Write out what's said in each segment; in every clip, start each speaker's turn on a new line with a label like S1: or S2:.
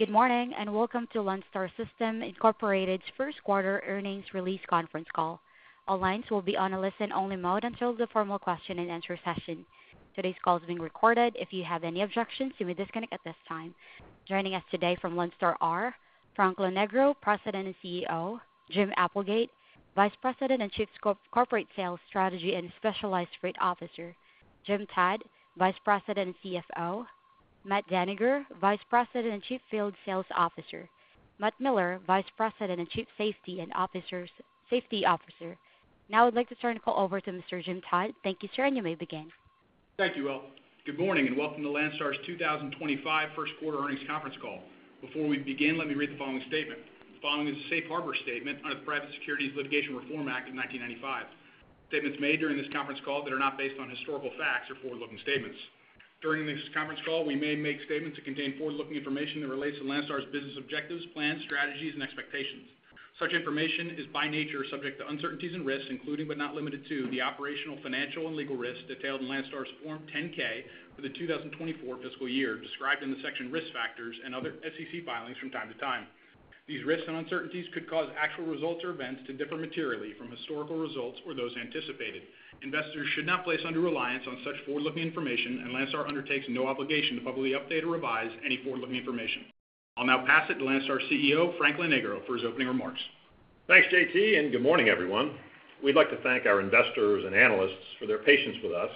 S1: Good morning and welcome to Landstar System's first quarter earnings release conference call. All lines will be on a listen-only mode until the formal question-and-answer session. Today's call is being recorded. If you have any objections, you may disconnect at this time. Joining us today from Landstar are Frank Lonegro, President and CEO; Jim Applegate, Vice President and Chief Corporate Sales Strategy and Specialized Freight Officer; Jim Todd, Vice President and CFO; Matt Dannegger, Vice President and Chief Field Sales Officer; Matt Miller, Vice President and Chief Safety Officer. Now I'd like to turn the call over to Mr. Jim Todd. Thank you, sir, and you may begin.
S2: Thank you all. Good morning and welcome to Landstar's 2025 first quarter earnings conference call. Before we begin, let me read the following statement. The following is a safe harbor statement under the Private Securities Litigation Reform Act of 1995. Statements made during this conference call that are not based on historical facts are forward-looking statements. During this conference call, we may make statements that contain forward-looking information that relates to Landstar's business objectives, plans, strategies, and expectations. Such information is by nature subject to uncertainties and risks, including but not limited to the operational, financial, and legal risks detailed in Landstar's Form 10-K for the 2024 fiscal year, described in the section Risk Factors and other SEC filings from time to time. These risks and uncertainties could cause actual results or events to differ materially from historical results or those anticipated. Investors should not place undue reliance on such forward-looking information, and Landstar undertakes no obligation to publicly update or revise any forward-looking information. I'll now pass it to Landstar CEO Frank Lonegro for his opening remarks.
S3: Thanks, JT, and good morning, everyone. We'd like to thank our investors and analysts for their patience with us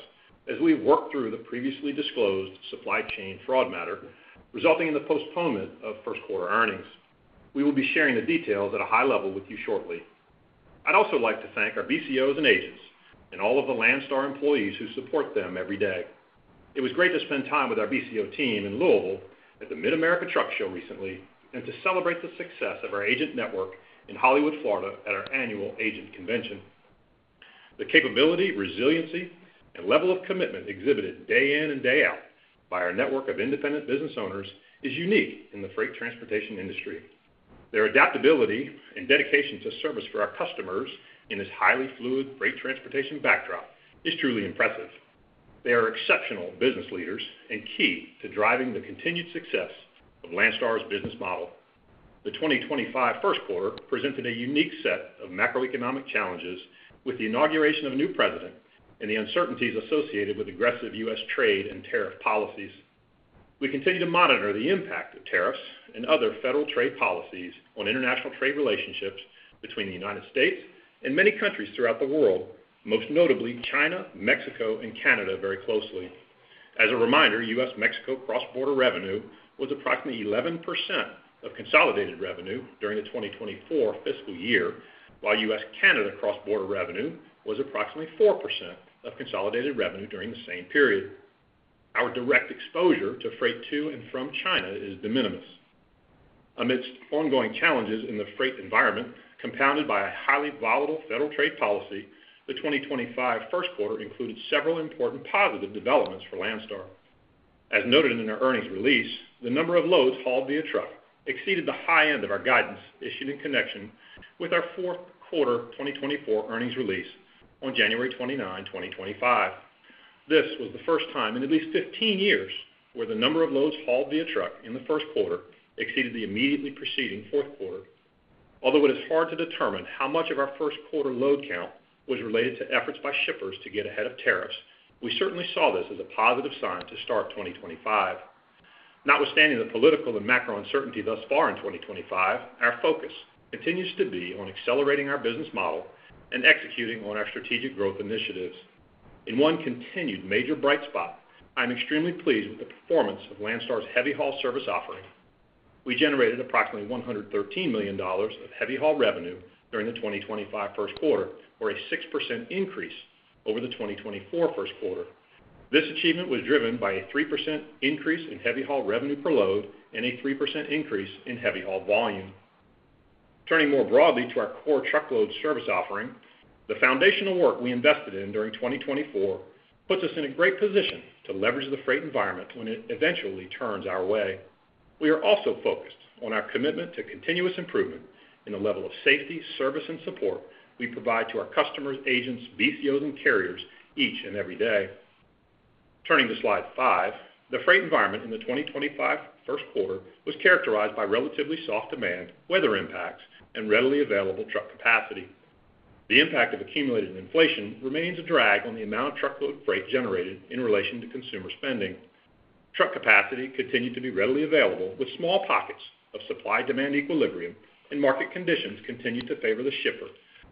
S3: as we've worked through the previously disclosed supply chain fraud matter resulting in the postponement of first quarter earnings. We will be sharing the details at a high level with you shortly. I'd also like to thank our BCOs and agents and all of the Landstar employees who support them every day. It was great to spend time with our BCO team in Louisville at the Mid-America Truck Show recently and to celebrate the success of our agent network in Hollywood, Florida, at our annual agent convention. The capability, resiliency, and level of commitment exhibited day in and day out by our network of independent business owners is unique in the freight transportation industry. Their adaptability and dedication to service for our customers in this highly fluid freight transportation backdrop is truly impressive. They are exceptional business leaders and key to driving the continued success of Landstar's business model. The 2025 first quarter presented a unique set of macroeconomic challenges with the inauguration of a new president and the uncertainties associated with aggressive U.S. trade and tariff policies. We continue to monitor the impact of tariffs and other federal trade policies on international trade relationships between the United States and many countries throughout the world, most notably China, Mexico, and Canada very closely. As a reminder, U.S.-Mexico cross-border revenue was approximately 11% of consolidated revenue during the 2024 fiscal year, while U.S.-Canada cross-border revenue was approximately 4% of consolidated revenue during the same period. Our direct exposure to freight to and from China is de minimis. Amidst ongoing challenges in the freight environment, compounded by a highly volatile federal trade policy, the 2025 first quarter included several important positive developments for Landstar. As noted in our earnings release, the number of loads hauled via truck exceeded the high end of our guidance issued in connection with our fourth quarter 2024 earnings release on January 29, 2025. This was the first time in at least 15 years where the number of loads hauled via truck in the first quarter exceeded the immediately preceding fourth quarter. Although it is hard to determine how much of our first quarter load count was related to efforts by shippers to get ahead of tariffs, we certainly saw this as a positive sign to start 2025. Notwithstanding the political and macro uncertainty thus far in 2025, our focus continues to be on accelerating our business model and executing on our strategic growth initiatives. In one continued major bright spot, I'm extremely pleased with the performance of Landstar's heavy haul service offering. We generated approximately $113 million of heavy haul revenue during the 2025 first quarter, or a 6% increase over the 2024 first quarter. This achievement was driven by a 3% increase in heavy haul revenue per load and a 3% increase in heavy haul volume. Turning more broadly to our core truckload service offering, the foundational work we invested in during 2024 puts us in a great position to leverage the freight environment when it eventually turns our way. We are also focused on our commitment to continuous improvement in the level of safety, service, and support we provide to our customers, agents, BCOs, and carriers each and every day. Turning to slide five, the freight environment in the 2025 first quarter was characterized by relatively soft demand, weather impacts, and readily available truck capacity. The impact of accumulated inflation remains a drag on the amount of truckload freight generated in relation to consumer spending. Truck capacity continued to be readily available, with small pockets of supply-demand equilibrium, and market conditions continued to favor the shipper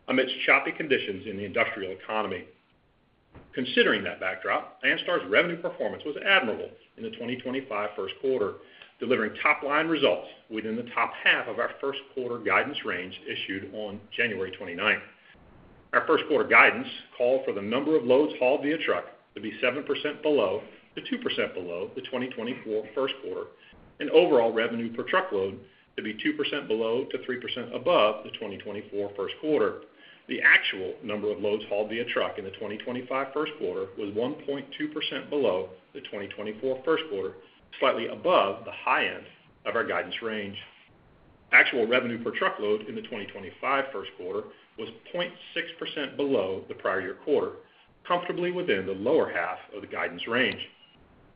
S3: amidst choppy conditions in the industrial economy. Considering that backdrop, Landstar's revenue performance was admirable in the 2025 first quarter, delivering top-line results within the top half of our first quarter guidance range issued on January 29. Our first quarter guidance called for the number of loads hauled via truck to be 7% below to 2% below the 2024 first quarter, and overall revenue per truckload to be 2% below to 3% above the 2024 first quarter. The actual number of loads hauled via truck in the 2025 first quarter was 1.2% below the 2024 first quarter, slightly above the high end of our guidance range. Actual revenue per truckload in the 2025 first quarter was 0.6% below the prior year quarter, comfortably within the lower half of the guidance range.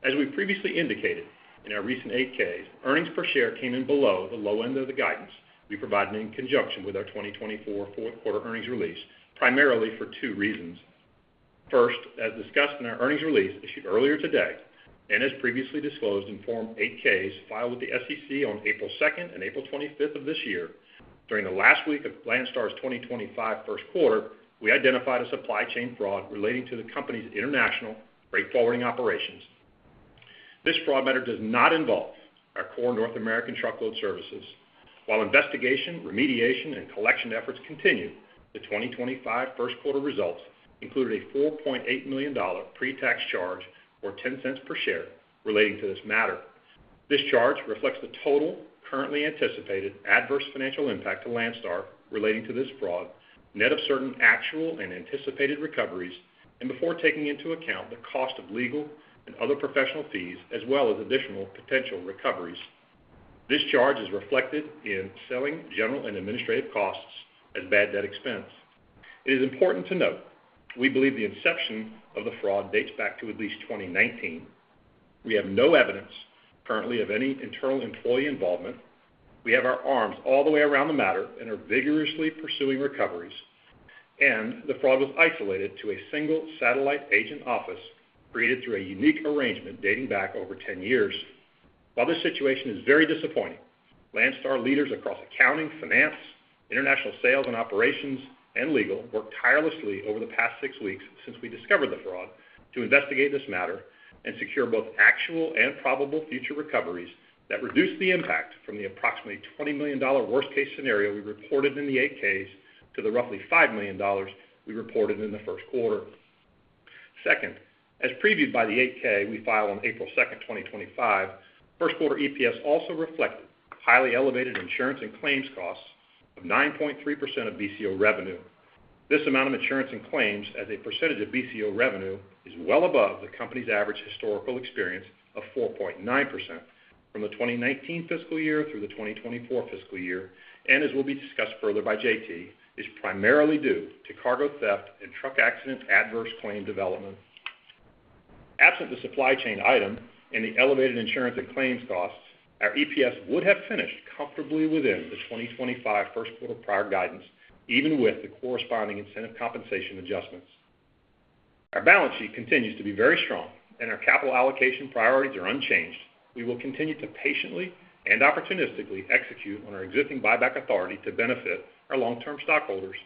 S3: As we previously indicated in our recent 8-Ks, earnings per share came in below the low end of the guidance we provided in conjunction with our 2024 fourth quarter earnings release, primarily for two reasons. First, as discussed in our earnings release issued earlier today and as previously disclosed in Form 8-Ks filed with the SEC on April 2 and April 25 of this year, during the last week of Landstar's 2025 first quarter, we identified a supply chain fraud relating to the company's international freight forwarding operations. This fraud matter does not involve our core North American truckload services. While investigation, remediation, and collection efforts continue, the 2025 first quarter results included a $4.8 million pre-tax charge or $0.10 per share relating to this matter. This charge reflects the total currently anticipated adverse financial impact to Landstar relating to this fraud, net of certain actual and anticipated recoveries, and before taking into account the cost of legal and other professional fees, as well as additional potential recoveries. This charge is reflected in selling, general, and administrative costs as bad debt expense. It is important to note we believe the inception of the fraud dates back to at least 2019. We have no evidence currently of any internal employee involvement. We have our arms all the way around the matter and are vigorously pursuing recoveries. The fraud was isolated to a single satellite agent office created through a unique arrangement dating back over 10 years. While this situation is very disappointing, Landstar leaders across accounting, finance, international sales, operations, and legal worked tirelessly over the past six weeks since we discovered the fraud to investigate this matter and secure both actual and probable future recoveries that reduce the impact from the approximately $20 million worst-case scenario we reported in the 8-Ks to the roughly $5 million we reported in the first quarter. Second, as previewed by the 8-K we filed on April 2, 2025, first quarter EPS also reflected highly elevated insurance and claims costs of 9.3% of BCO revenue. This amount of insurance and claims as a percentage of BCO revenue is well above the company's average historical experience of 4.9% from the 2019 fiscal year through the 2024 fiscal year, and, as will be discussed further by JT, is primarily due to cargo theft and truck accident adverse claim development. Absent the supply chain item and the elevated insurance and claims costs, our EPS would have finished comfortably within the 2025 first quarter prior guidance, even with the corresponding incentive compensation adjustments. Our balance sheet continues to be very strong, and our capital allocation priorities are unchanged. We will continue to patiently and opportunistically execute on our existing buyback authority to benefit our long-term stockholders.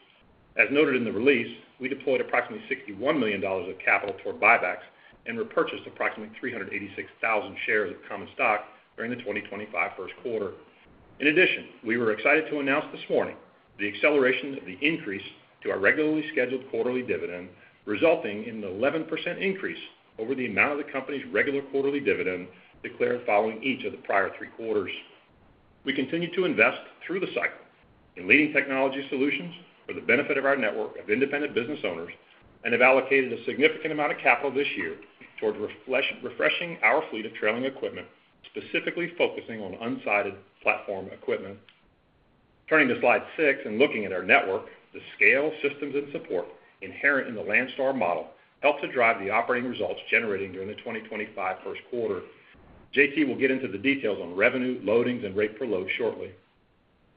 S3: As noted in the release, we deployed approximately $61 million of capital toward buybacks and repurchased approximately 386,000 shares of common stock during the 2025 first quarter. In addition, we were excited to announce this morning the acceleration of the increase to our regularly scheduled quarterly dividend, resulting in an 11% increase over the amount of the company's regular quarterly dividend declared following each of the prior three quarters. We continue to invest through the cycle in leading technology solutions for the benefit of our network of independent business owners and have allocated a significant amount of capital this year toward refreshing our fleet of trailing equipment, specifically focusing on unsided platform equipment. Turning to slide six and looking at our network, the scale, systems, and support inherent in the Landstar model help to drive the operating results generated during the 2025 first quarter. JT will get into the details on revenue, loadings, and rate per load shortly.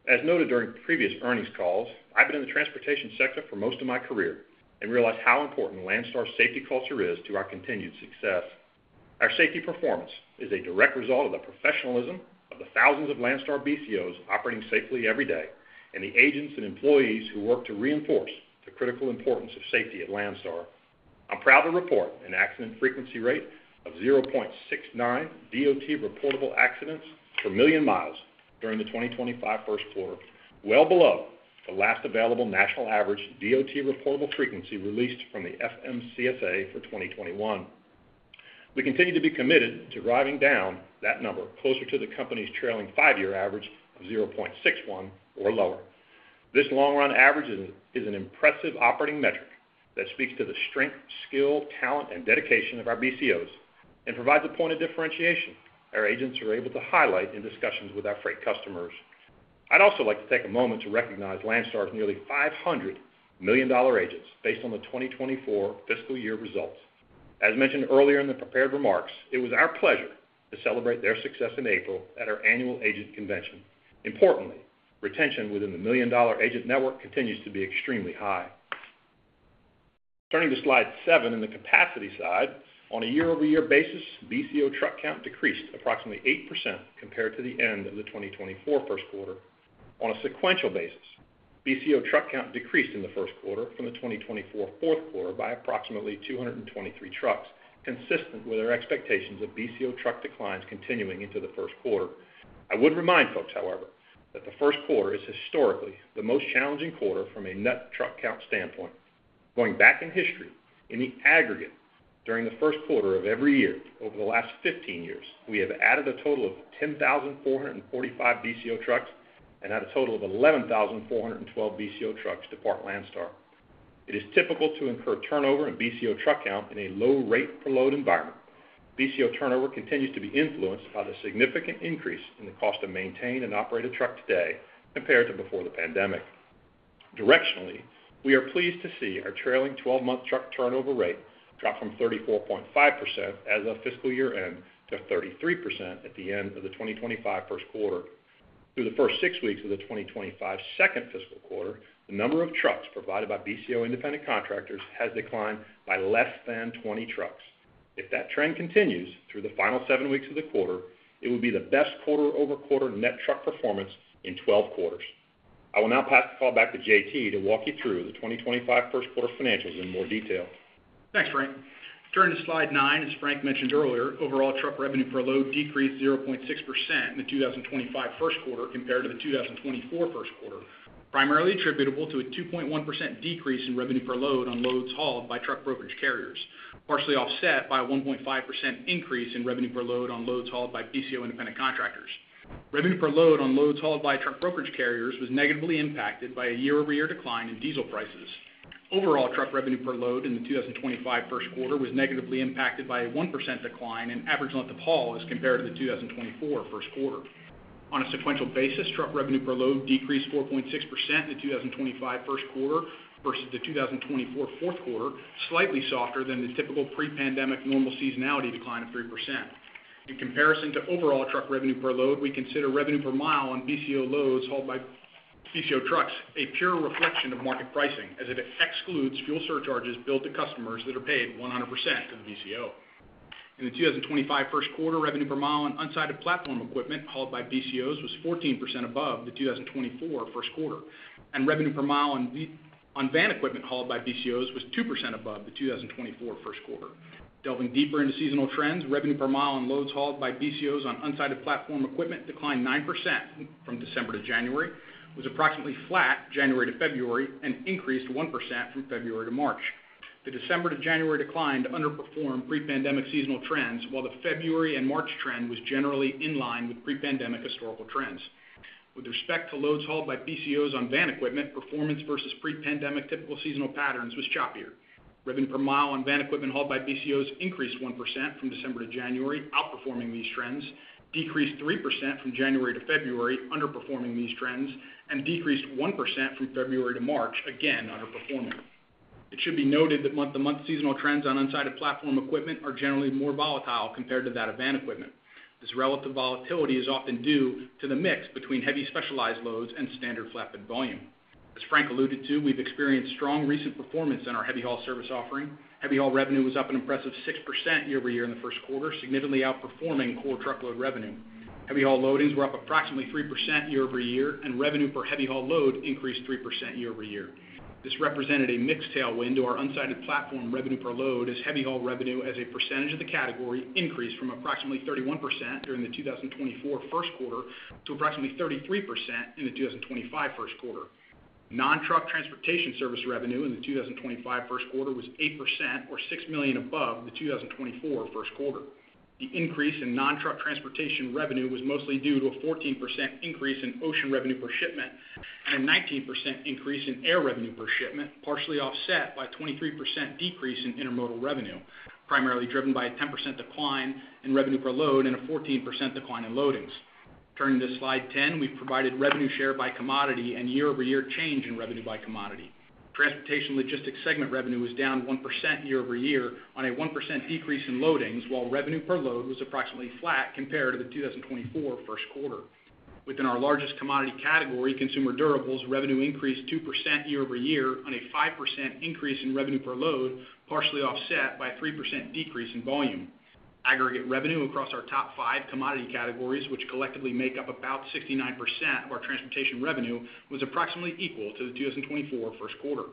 S3: As noted during previous earnings calls, I've been in the transportation sector for most of my career and realized how important Landstar's safety culture is to our continued success. Our safety performance is a direct result of the professionalism of the thousands of Landstar BCOs operating safely every day and the agents and employees who work to reinforce the critical importance of safety at Landstar. I'm proud to report an accident frequency rate of 0.69 DOT reportable accidents per million miles during the 2025 first quarter, well below the last available national average DOT reportable frequency released from the FMCSA for 2021. We continue to be committed to driving down that number closer to the company's trailing five-year average of 0.61 or lower. This long-run average is an impressive operating metric that speaks to the strength, skill, talent, and dedication of our BCOs and provides a point of differentiation our agents are able to highlight in discussions with our freight customers. I'd also like to take a moment to recognize Landstar's nearly $500 million agents based on the 2024 fiscal year results. As mentioned earlier in the prepared remarks, it was our pleasure to celebrate their success in April at our annual agent convention. Importantly, retention within the million-dollar agent network continues to be extremely high. Turning to slide seven in the capacity side, on a year-over-year basis, BCO truck count decreased approximately 8% compared to the end of the 2024 first quarter. On a sequential basis, BCO truck count decreased in the first quarter from the 2024 fourth quarter by approximately 223 trucks, consistent with our expectations of BCO truck declines continuing into the first quarter. I would remind folks, however, that the first quarter is historically the most challenging quarter from a net truck count standpoint. Going back in history, in the aggregate, during the first quarter of every year over the last 15 years, we have added a total of 10,445 BCO trucks and had a total of 11,412 BCO trucks depart Landstar. It is typical to incur turnover in BCO truck count in a low rate per load environment. BCO turnover continues to be influenced by the significant increase in the cost of maintained and operated truck today compared to before the pandemic. Directionally, we are pleased to see our trailing 12-month truck turnover rate drop from 34.5% as of fiscal year end to 33% at the end of the 2025 first quarter. Through the first six weeks of the 2025 second fiscal quarter, the number of trucks provided by BCO independent contractors has declined by less than 20 trucks. If that trend continues through the final seven weeks of the quarter, it will be the best quarter-over-quarter net truck performance in 12 quarters. I will now pass the call back to JT to walk you through the 2025 first quarter financials in more detail.
S2: Thanks, Frank. Turning to slide nine, as Frank mentioned earlier, overall truck revenue per load decreased 0.6% in the 2025 first quarter compared to the 2024 first quarter, primarily attributable to a 2.1% decrease in revenue per load on loads hauled by truck brokerage carriers, partially offset by a 1.5% increase in revenue per load on loads hauled by BCO independent contractors. Revenue per load on loads hauled by truck brokerage carriers was negatively impacted by a year-over-year decline in diesel prices. Overall truck revenue per load in the 2025 first quarter was negatively impacted by a 1% decline in average length of hauls compared to the 2024 first quarter. On a sequential basis, truck revenue per load decreased 4.6% in the 2025 first quarter versus the 2024 fourth quarter, slightly softer than the typical pre-pandemic normal seasonality decline of 3%. In comparison to overall truck revenue per load, we consider revenue per mile on BCO loads hauled by BCO trucks a pure reflection of market pricing, as it excludes fuel surcharges billed to customers that are paid 100% to the BCO. In the 2025 first quarter, revenue per mile on unsided platform equipment hauled by BCOs was 14% above the 2024 first quarter, and revenue per mile on van equipment hauled by BCOs was 2% above the 2024 first quarter. Delving deeper into seasonal trends, revenue per mile on loads hauled by BCOs on unsided platform equipment declined 9% from December to January, was approximately flat January to February, and increased 1% from February to March. The December to January decline underperformed pre-pandemic seasonal trends, while the February and March trend was generally in line with pre-pandemic historical trends. With respect to loads hauled by BCOs on van equipment, performance versus pre-pandemic typical seasonal patterns was choppier. Revenue per mile on van equipment hauled by BCOs increased 1% from December to January, outperforming these trends, decreased 3% from January to February, underperforming these trends, and decreased 1% from February to March, again underperforming. It should be noted that month-to-month seasonal trends on unsided platform equipment are generally more volatile compared to that of van equipment. This relative volatility is often due to the mix between heavy specialized loads and standard flatbed volume. As Frank alluded to, we've experienced strong recent performance in our heavy haul service offering. Heavy haul revenue was up an impressive 6% year-over-year in the first quarter, significantly outperforming core truckload revenue. Heavy haul loadings were up approximately 3% year-over-year, and revenue per heavy haul load increased 3% year-over-year. This represented a mixed tailwind to our unsided platform revenue per load as heavy haul revenue as a percentage of the category increased from approximately 31% during the 2024 first quarter to approximately 33% in the 2025 first quarter. Non-truck transportation service revenue in the 2025 first quarter was 8% or $6 million above the 2024 first quarter. The increase in non-truck transportation revenue was mostly due to a 14% increase in ocean revenue per shipment and a 19% increase in air revenue per shipment, partially offset by a 23% decrease in intermodal revenue, primarily driven by a 10% decline in revenue per load and a 14% decline in loadings. Turning to slide 10, we provided revenue share by commodity and year-over-year change in revenue by commodity. Transportation logistics segment revenue was down 1% year-over-year on a 1% decrease in loadings, while revenue per load was approximately flat compared to the 2024 first quarter. Within our largest commodity category, consumer durables, revenue increased 2% year-over-year on a 5% increase in revenue per load, partially offset by a 3% decrease in volume. Aggregate revenue across our top five commodity categories, which collectively make up about 69% of our transportation revenue, was approximately equal to the 2024 first quarter.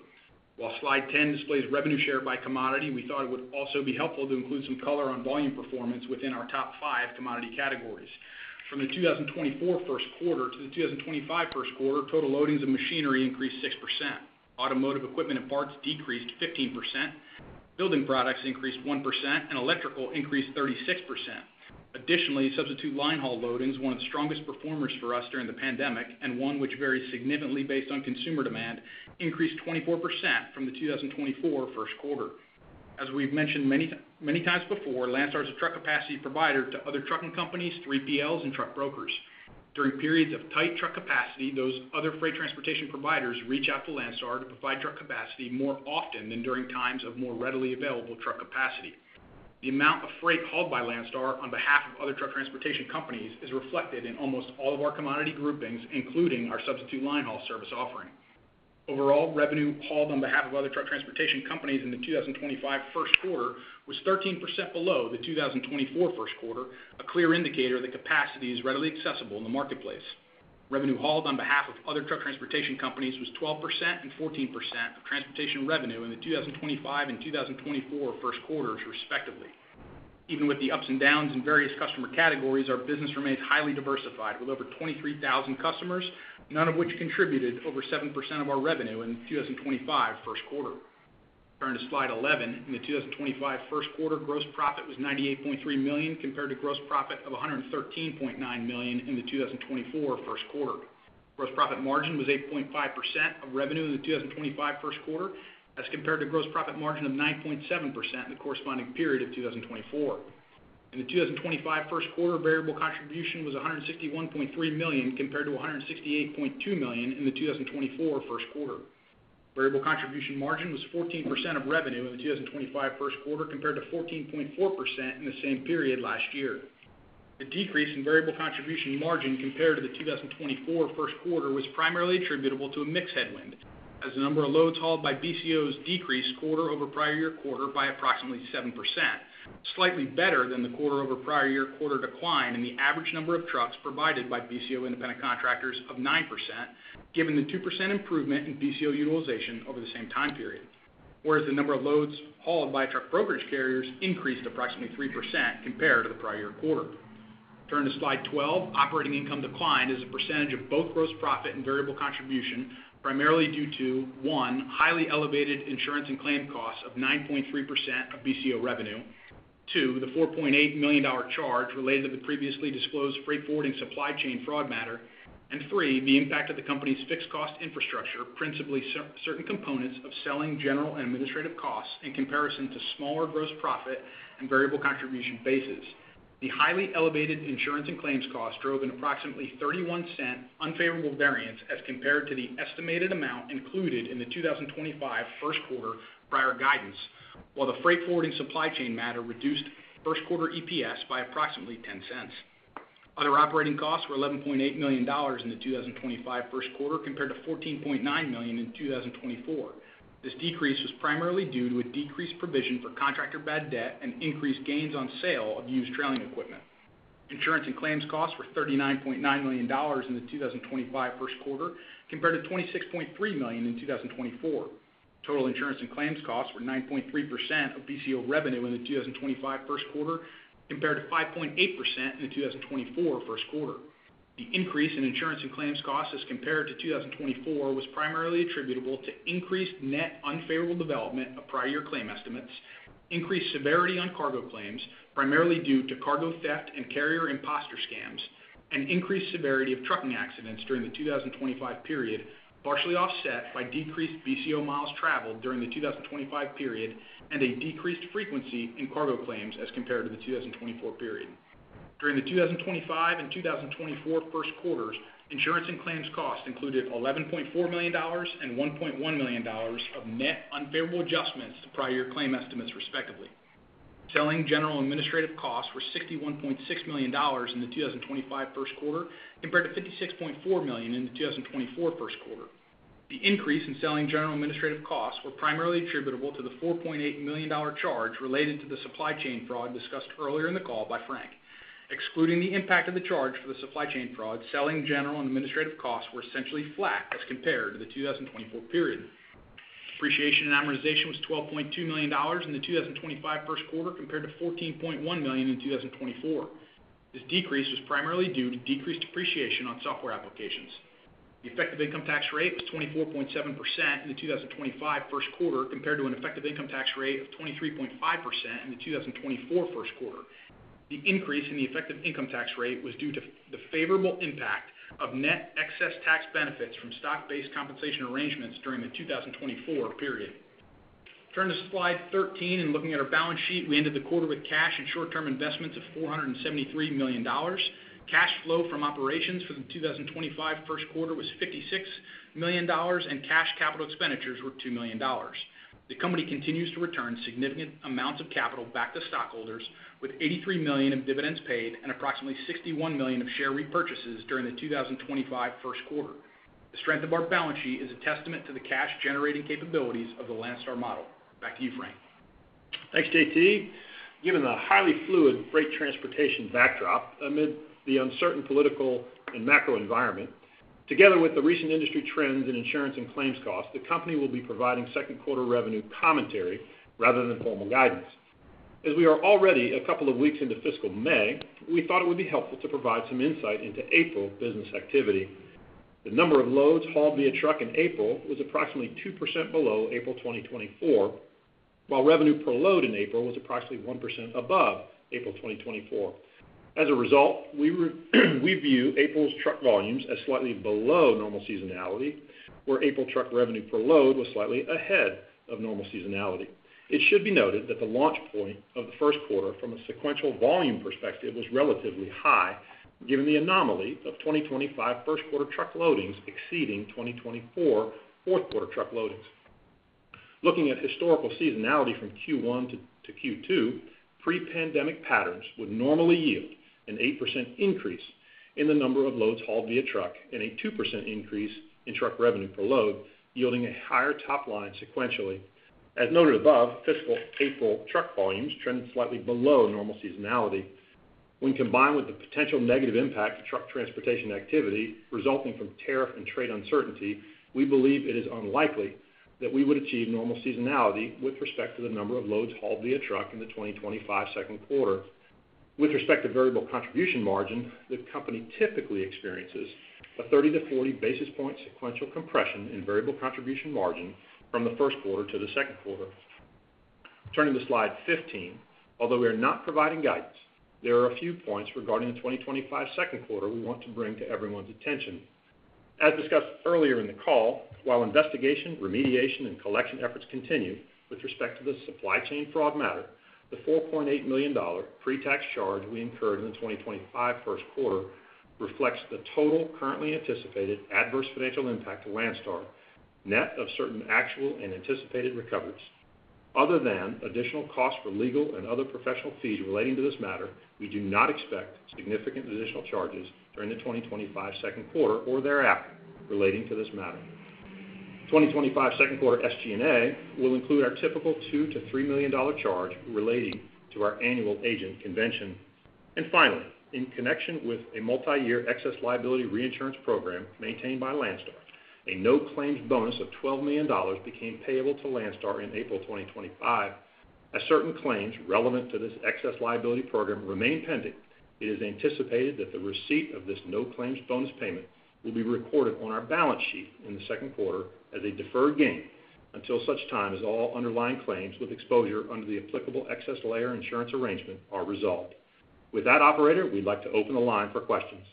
S2: While slide 10 displays revenue share by commodity, we thought it would also be helpful to include some color on volume performance within our top five commodity categories. From the 2024 first quarter to the 2025 first quarter, total loadings of machinery increased 6%. Automotive equipment and parts decreased 15%. Building products increased 1%, and electrical increased 36%.
S3: Additionally, substitute linehaul loadings, one of the strongest performers for us during the pandemic and one which varies significantly based on consumer demand, increased 24% from the 2024 first quarter. As we've mentioned many times before, Landstar is a truck capacity provider to other trucking companies, 3PLs, and truck brokers. During periods of tight truck capacity, those other freight transportation providers reach out to Landstar to provide truck capacity more often than during times of more readily available truck capacity. The amount of freight hauled by Landstar on behalf of other truck transportation companies is reflected in almost all of our commodity groupings, including our substitute linehaul service offering. Overall revenue hauled on behalf of other truck transportation companies in the 2025 first quarter was 13% below the 2024 first quarter, a clear indicator that capacity is readily accessible in the marketplace. Revenue hauled on behalf of other truck transportation companies was 12% and 14% of transportation revenue in the 2025 and 2024 first quarters, respectively. Even with the ups and downs in various customer categories, our business remains highly diversified, with over 23,000 customers, none of which contributed over 7% of our revenue in the 2025 first quarter. Turning to slide 11, in the 2025 first quarter, gross profit was $98.3 million compared to gross profit of $113.9 million in the 2024 first quarter. Gross profit margin was 8.5% of revenue in the 2025 first quarter as compared to gross profit margin of 9.7% in the corresponding period of 2024. In the 2025 first quarter, variable contribution was $161.3 million compared to $168.2 million in the 2024 first quarter. Variable contribution margin was 14% of revenue in the 2025 first quarter compared to 14.4% in the same period last year. The decrease in variable contribution margin compared to the 2024 first quarter was primarily attributable to a mixed headwind, as the number of loads hauled by BCOs decreased quarter-over-prior-year quarter by approximately 7%, slightly better than the quarter-over-prior-year quarter decline in the average number of trucks provided by BCO independent contractors of 9%, given the 2% improvement in BCO utilization over the same time period. Whereas the number of loads hauled by truck brokerage carriers increased approximately 3% compared to the prior-year quarter. Turning to slide 12, operating income declined as a percentage of both gross profit and variable contribution, primarily due to, one, highly elevated insurance and claim costs of 9.3% of BCO revenue; two, the $4.8 million charge related to the previously disclosed freight forwarding supply chain fraud matter; and three, the impact of the company's fixed cost infrastructure, principally certain components of selling, general, and administrative costs in comparison to smaller gross profit and variable contribution bases. The highly elevated insurance and claims costs drove an approximately $0.31 unfavorable variance as compared to the estimated amount included in the 2025 first quarter prior guidance, while the freight forwarding supply chain matter reduced first quarter EPS by approximately $0.10. Other operating costs were $11.8 million in the 2025 first quarter compared to $14.9 million in 2024. This decrease was primarily due to a decreased provision for contractor bad debt and increased gains on sale of used trailing equipment. Insurance and claims costs were $39.9 million in the 2025 first quarter compared to $26.3 million in 2024. Total insurance and claims costs were 9.3% of BCO revenue in the 2025 first quarter compared to 5.8% in the 2024 first quarter. The increase in insurance and claims costs as compared to 2024 was primarily attributable to increased net unfavorable development of prior-year claim estimates, increased severity on cargo claims, primarily due to cargo theft and carrier impostor scams, and increased severity of trucking accidents during the 2025 period, partially offset by decreased BCO miles traveled during the 2025 period and a decreased frequency in cargo claims as compared to the 2024 period. During the 2025 and 2024 first quarters, insurance and claims costs included $11.4 million and $1.1 million of net unfavorable adjustments to prior-year claim estimates, respectively. Selling general and administrative costs were $61.6 million in the 2025 first quarter compared to $56.4 million in the 2024 first quarter. The increase in selling general and administrative costs was primarily attributable to the $4.8 million charge related to the supply chain fraud discussed earlier in the call by Frank. Excluding the impact of the charge for the supply chain fraud, selling general and administrative costs were essentially flat as compared to the 2024 period. Depreciation and amortization was $12.2 million in the 2025 first quarter compared to $14.1 million in 2024. This decrease was primarily due to decreased depreciation on software applications. The effective income tax rate was 24.7% in the 2025 first quarter compared to an effective income tax rate of 23.5% in the 2024 first quarter. The increase in the effective income tax rate was due to the favorable impact of net excess tax benefits from stock-based compensation arrangements during the 2024 period. Turning to slide 13 and looking at our balance sheet, we ended the quarter with cash and short-term investments of $473 million. Cash flow from operations for the 2025 first quarter was $56 million, and cash capital expenditures were $2 million. The company continues to return significant amounts of capital back to stockholders, with $83 million of dividends paid and approximately $61 million of share repurchases during the 2025 first quarter. The strength of our balance sheet is a testament to the cash-generating capabilities of the Landstar model. Back to you, Frank. Thanks, JT. Given the highly fluid freight transportation backdrop amid the uncertain political and macro environment, together with the recent industry trends in insurance and claims costs, the company will be providing second quarter revenue commentary rather than formal guidance. As we are already a couple of weeks into fiscal May, we thought it would be helpful to provide some insight into April business activity. The number of loads hauled via truck in April was approximately 2% below April 2024, while revenue per load in April was approximately 1% above April 2024. As a result, we view April's truck volumes as slightly below normal seasonality, where April truck revenue per load was slightly ahead of normal seasonality. It should be noted that the launch point of the first quarter from a sequential volume perspective was relatively high, given the anomaly of 2025 first quarter truck loadings exceeding 2024 fourth quarter truck loadings. Looking at historical seasonality from Q1-Q2, pre-pandemic patterns would normally yield an 8% increase in the number of loads hauled via truck and a 2% increase in truck revenue per load, yielding a higher top line sequentially. As noted above, fiscal April truck volumes trended slightly below normal seasonality. When combined with the potential negative impact of truck transportation activity resulting from tariff and trade uncertainty, we believe it is unlikely that we would achieve normal seasonality with respect to the number of loads hauled via truck in the 2025 second quarter. With respect to variable contribution margin, the company typically experiences a 30-40 basis point sequential compression in variable contribution margin from the first quarter to the second quarter. Turning to slide 15, although we are not providing guidance, there are a few points regarding the 2025 second quarter we want to bring to everyone's attention. As discussed earlier in the call, while investigation, remediation, and collection efforts continue with respect to the supply chain fraud matter, the $4.8 million pre-tax charge we incurred in the 2025 first quarter reflects the total currently anticipated adverse financial impact to Landstar, net of certain actual and anticipated recoveries. Other than additional costs for legal and other professional fees relating to this matter, we do not expect significant additional charges during the 2025 second quarter or thereafter relating to this matter. 2025 second quarter SG&A will include our typical $2-$3 million charge relating to our annual agent convention. Finally, in connection with a multi-year excess liability reinsurance program maintained by Landstar, a no-claims bonus of $12 million became payable to Landstar in April 2025. As certain claims relevant to this excess liability program remain pending, it is anticipated that the receipt of this no-claims bonus payment will be recorded on our balance sheet in the second quarter as a deferred gain until such time as all underlying claims with exposure under the applicable excess layer insurance arrangement are resolved. With that, operator, we'd like to open the line for questions.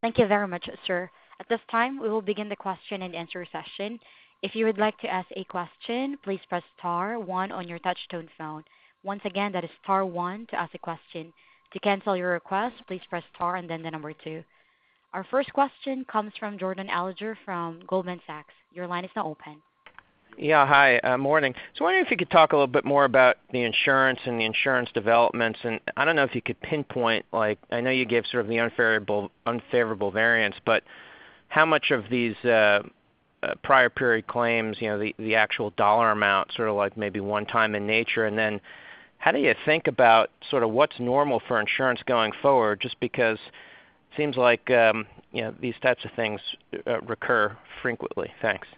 S1: Thank you very much, sir. At this time, we will begin the question and answer session. If you would like to ask a question, please press star one on your touchtone phone. Once again, that is star one to ask a question. To cancel your request, please press star one and then the number two. Our first question comes from Jordan Alliger from Goldman Sachs. Your line is now open.
S4: Yeah, hi. Morning. Just wondering if you could talk a little bit more about the insurance and the insurance developments. I do not know if you could pinpoint, like, I know you gave sort of the unfavorable variance, but how much of these prior-period claims, you know, the actual dollar amount, sort of like maybe one-time in nature. How do you think about sort of what is normal for insurance going forward, just because it seems like these types of things recur frequently? Thanks.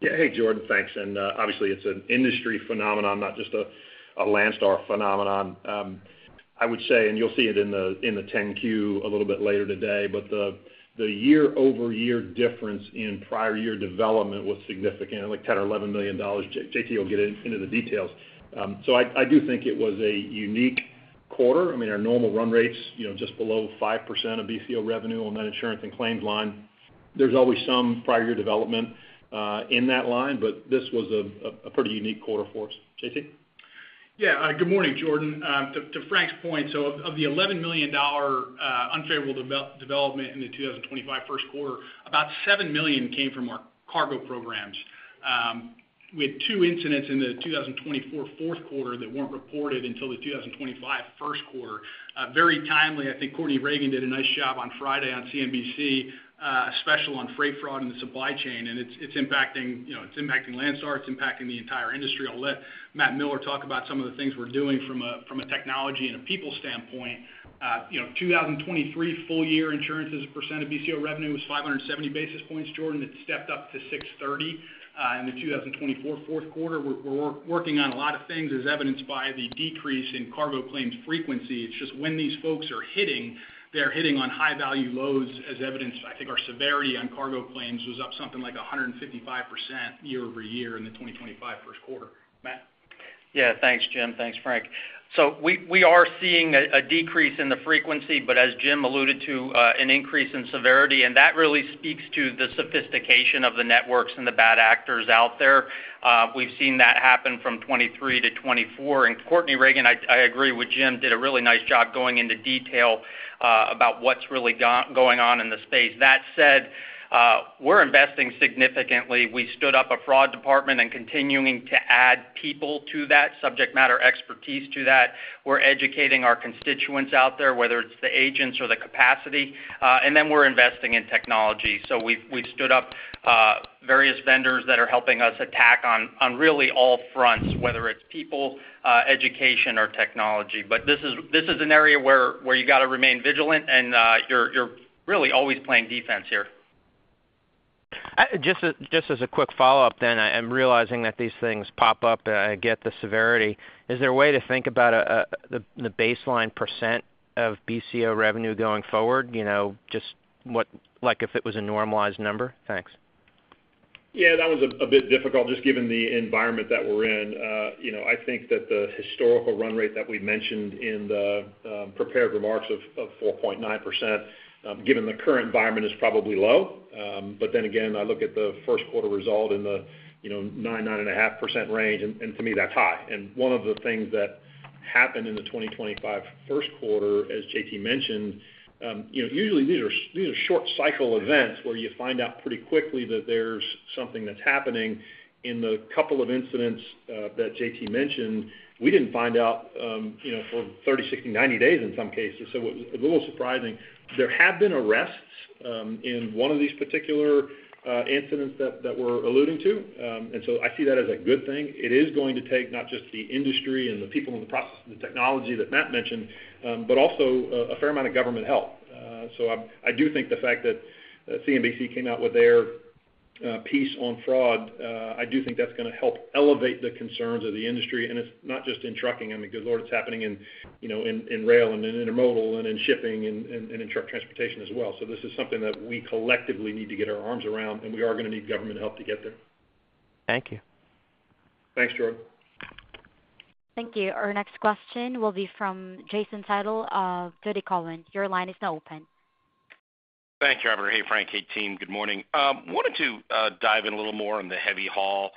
S3: Yeah, hey, Jordan, thanks. Obviously, it is an industry phenomenon, not just a Landstar phenomenon. I would say, and you will see it in the 10-Q a little bit later today, but the year-over-year difference in prior-year development was significant, like $10 or $11 million. JT, you will get into the details. I do think it was a unique quarter. I mean, our normal run rates, you know, just below 5% of BCO revenue on that insurance and claims line. There's always some prior-year development in that line, but this was a pretty unique quarter for us. JT?
S2: Yeah. Good morning, Jordan. To Frank's point, of the $11 million unfavorable development in the 2025 first quarter, about $7 million came from our cargo programs. We had two incidents in the 2024 fourth quarter that were not reported until the 2025 first quarter. Very timely. I think Courtney Reagan did a nice job on Friday on CNBC, a special on freight fraud in the supply chain. It's impacting Landstar. It's impacting the entire industry. I'll let Matt Miller talk about some of the things we're doing from a technology and a people standpoint. You know, 2023 full-year insurance as a percent of BCO revenue was 570 basis points, Jordan. It stepped up to 630 in the 2024 fourth quarter. We're working on a lot of things, as evidenced by the decrease in cargo claims frequency. It's just when these folks are hitting, they're hitting on high-value loads, as evidenced. I think our severity on cargo claims was up something like 155% year-over-year in the 2025 first quarter. Matt?
S5: Yeah, thanks, Jim. Thanks, Frank. We are seeing a decrease in the frequency, but as Jim alluded to, an increase in severity. That really speaks to the sophistication of the networks and the bad actors out there. We've seen that happen from 2023-2024. Courtney Reagan, I agree with Jim, did a really nice job going into detail about what's really going on in the space. That said, we're investing significantly. We stood up a fraud department and continuing to add people to that, subject matter expertise to that. We're educating our constituents out there, whether it's the agents or the capacity. We're investing in technology. We've stood up various vendors that are helping us attack on really all fronts, whether it's people, education, or technology. This is an area where you got to remain vigilant, and you're really always playing defense here.
S4: Just as a quick follow-up, then, I'm realizing that these things pop up and I get the severity. Is there a way to think about the baseline % of BCO revenue going forward, you know, just like if it was a normalized number? Thanks.
S3: Yeah, that was a bit difficult just given the environment that we're in. You know, I think that the historical run rate that we mentioned in the prepared remarks of 4.9%, given the current environment, is probably low. I look at the first quarter result in the, you know, 9-9.5% range, and to me, that's high. One of the things that happened in the 2025 first quarter, as JT mentioned, you know, usually these are short-cycle events where you find out pretty quickly that there's something that's happening. In the couple of incidents that JT mentioned, we didn't find out, you know, for 30, 60, 90 days in some cases. It was a little surprising. There have been arrests in one of these particular incidents that we're alluding to. I see that as a good thing. It is going to take not just the industry and the people in the process and the technology that Matt mentioned, but also a fair amount of government help. I do think the fact that CNBC came out with their piece on fraud, I do think that's going to help elevate the concerns of the industry. It's not just in trucking. I mean, good Lord, it's happening in, you know, in rail and in intermodal and in shipping and in truck transportation as well. This is something that we collectively need to get our arms around, and we are going to need government help to get there.
S4: Thank you.
S3: Thanks, Jordan.
S1: Thank you. Our next question will be from Jason Seidl of TD Cowen. Your line is now open.
S6: Thanks operator. Hey, Frank and team. Good morning. Wanted to dive in a little more on the heavy haul.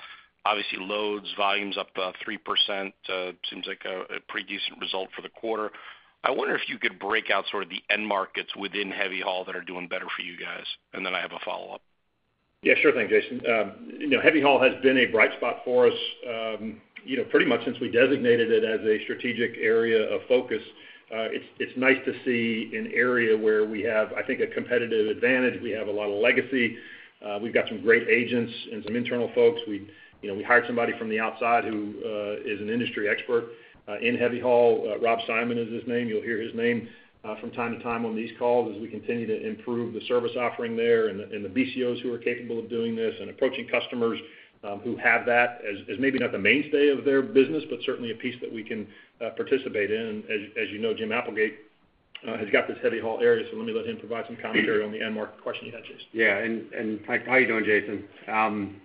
S6: Obviously, loads, volumes up 3%. Seems like a pretty decent result for the quarter. I wonder if you could break out sort of the end markets within heavy haul that are doing better for you guys. And then I have a follow-up.
S3: Yeah, sure thing, Jason. You know, heavy haul has been a bright spot for us, you know, pretty much since we designated it as a strategic area of focus. It's nice to see an area where we have, I think, a competitive advantage. We have a lot of legacy. We've got some great agents and some internal folks. We hired somebody from the outside who is an industry expert in heavy haul. Rob Simon is his name. You'll hear his name from time to time on these calls as we continue to improve the service offering there and the BCOs who are capable of doing this and approaching customers who have that as maybe not the mainstay of their business, but certainly a piece that we can participate in. As you know, Jim Applegate has got this heavy haul area, so let me let him provide some commentary on the end market question you had, Jason.
S7: Yeah. And Frank, how are you doing, Jason?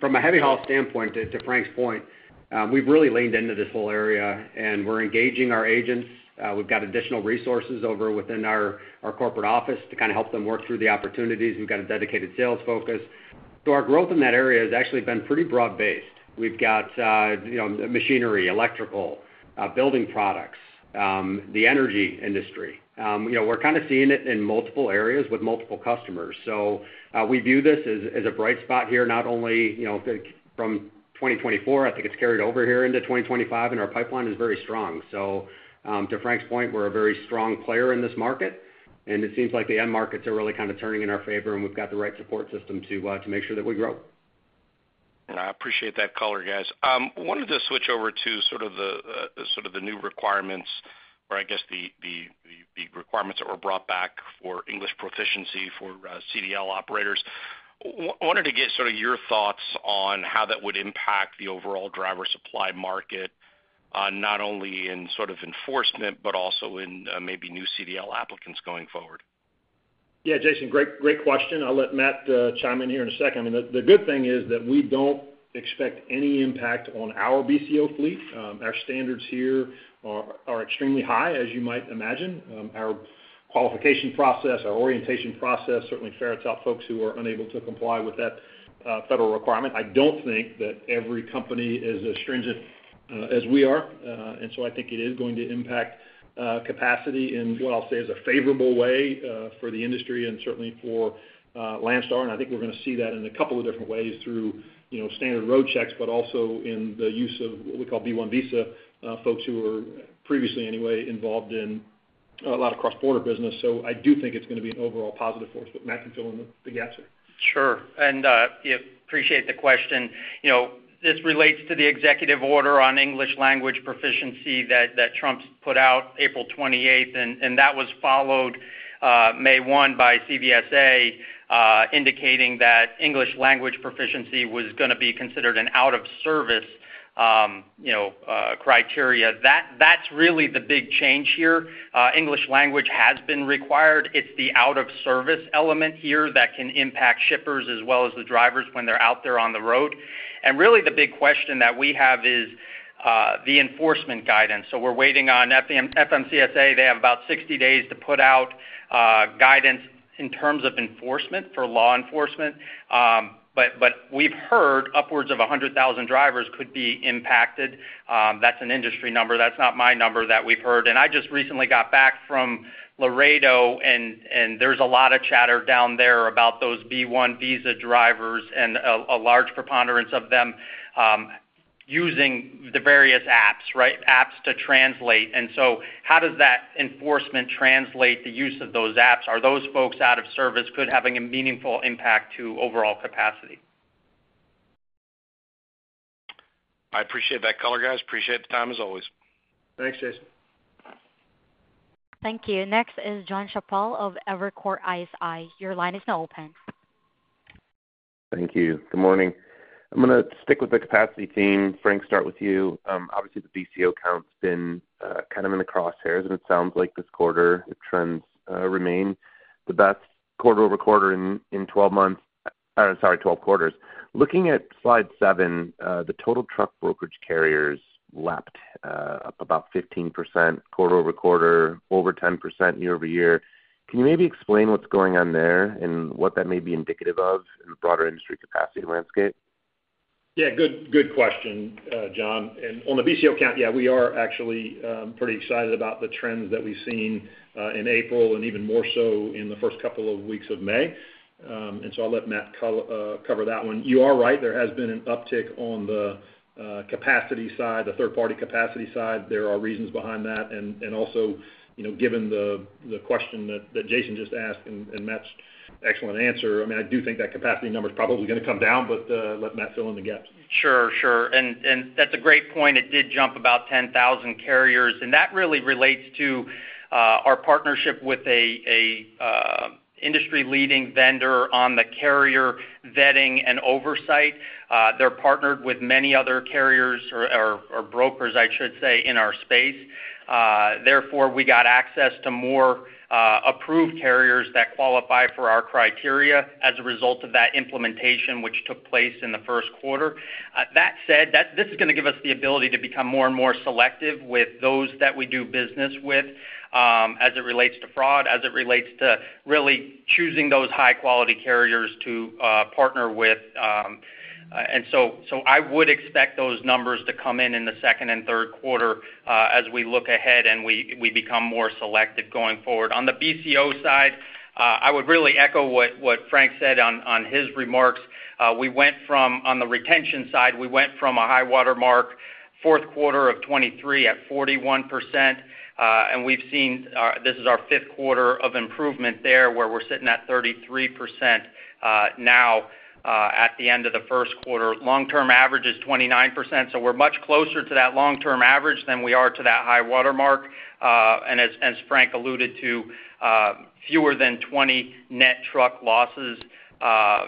S7: From a heavy haul standpoint, to Frank's point, we've really leaned into this whole area, and we're engaging our agents. We've got additional resources over within our corporate office to kind of help them work through the opportunities. We've got a dedicated sales focus. Our growth in that area has actually been pretty broad-based. We've got, you know, machinery, electrical, building products, the energy industry. You know, we're kind of seeing it in multiple areas with multiple customers. We view this as a bright spot here, not only, you know, from 2024. I think it's carried over here into 2025, and our pipeline is very strong. To Frank's point, we're a very strong player in this market, and it seems like the end markets are really kind of turning in our favor, and we've got the right support system to make sure that we grow.
S6: I appreciate that color, guys. Wanted to switch over to sort of the new requirements, or I guess the requirements that were brought back for English proficiency for CDL operators. Wanted to get sort of your thoughts on how that would impact the overall driver supply market, not only in sort of enforcement, but also in maybe new CDL applicants going forward.
S3: Yeah, Jason, great question. I'll let Matt chime in here in a second. I mean, the good thing is that we don't expect any impact on our BCO fleet. Our standards here are extremely high, as you might imagine. Our qualification process, our orientation process, certainly fair to tell folks who are unable to comply with that federal requirement. I don't think that every company is as stringent as we are. I think it is going to impact capacity in what I'll say is a favorable way for the industry and certainly for Landstar. I think we're going to see that in a couple of different ways through, you know, standard road checks, but also in the use of what we call B1 visa folks who were previously anyway involved in a lot of cross-border business. I do think it's going to be an overall positive for us, but Matt can fill in the gaps here.
S5: Sure. I appreciate the question. You know, this relates to the executive order on English language proficiency that Trump's put out April 28, and that was followed May 1 by CVSA indicating that English language proficiency was going to be considered an out-of-service, you know, criteria. That's really the big change here. English language has been required. It's the out-of-service element here that can impact shippers as well as the drivers when they're out there on the road. Really the big question that we have is the enforcement guidance. We are waiting on FMCSA. They have about 60 days to put out guidance in terms of enforcement for law enforcement. We have heard upwards of 100,000 drivers could be impacted. That is an industry number. That is not my number that we have heard. I just recently got back from Laredo, and there is a lot of chatter down there about those B1 visa drivers and a large preponderance of them using the various apps, right? Apps to translate. How does that enforcement translate the use of those apps? Are those folks out of service? That could have a meaningful impact to overall capacity.
S6: I appreciate that color, guys. Appreciate the time as always.
S3: Thanks, Jason.
S1: Thank you. Next is John Chapell of Evercore ISI. Your line is now open.
S8: Thank you. Good morning. I'm going to stick with the capacity team. Frank, start with you. Obviously, the BCO count's been kind of in the crosshairs, and it sounds like this quarter the trends remain the best quarter over quarter in 12 months. Sorry, 12 quarters. Looking at slide 7, the total truck brokerage carriers leapt up about 15% quarter over quarter, over 10% year over year. Can you maybe explain what's going on there and what that may be indicative of in the broader industry capacity landscape?
S3: Yeah, good question, John. And on the BCO count, yeah, we are actually pretty excited about the trends that we've seen in April and even more so in the first couple of weeks of May. I'll let Matt cover that one. You are right. There has been an uptick on the capacity side, the third-party capacity side. There are reasons behind that. Also, you know, given the question that Jason just asked and Matt's excellent answer, I mean, I do think that capacity number is probably going to come down, but let Matt fill in the gaps.
S5: Sure, sure. That is a great point. It did jump about 10,000 carriers. That really relates to our partnership with an industry-leading vendor on the carrier vetting and oversight. They are partnered with many other carriers or brokers, I should say, in our space. Therefore, we got access to more approved carriers that qualify for our criteria as a result of that implementation, which took place in the first quarter. That said, this is going to give us the ability to become more and more selective with those that we do business with as it relates to fraud, as it relates to really choosing those high-quality carriers to partner with. I would expect those numbers to come in in the second and third quarter as we look ahead and we become more selective going forward. On the BCO side, I would really echo what Frank said on his remarks. We went from, on the retention side, a high watermark fourth quarter of 2023 at 41%. We have seen this is our fifth quarter of improvement there where we are sitting at 33% now at the end of the first quarter. Long-term average is 29%. We are much closer to that long-term average than we are to that high watermark. As Frank alluded to, fewer than 20 net truck losses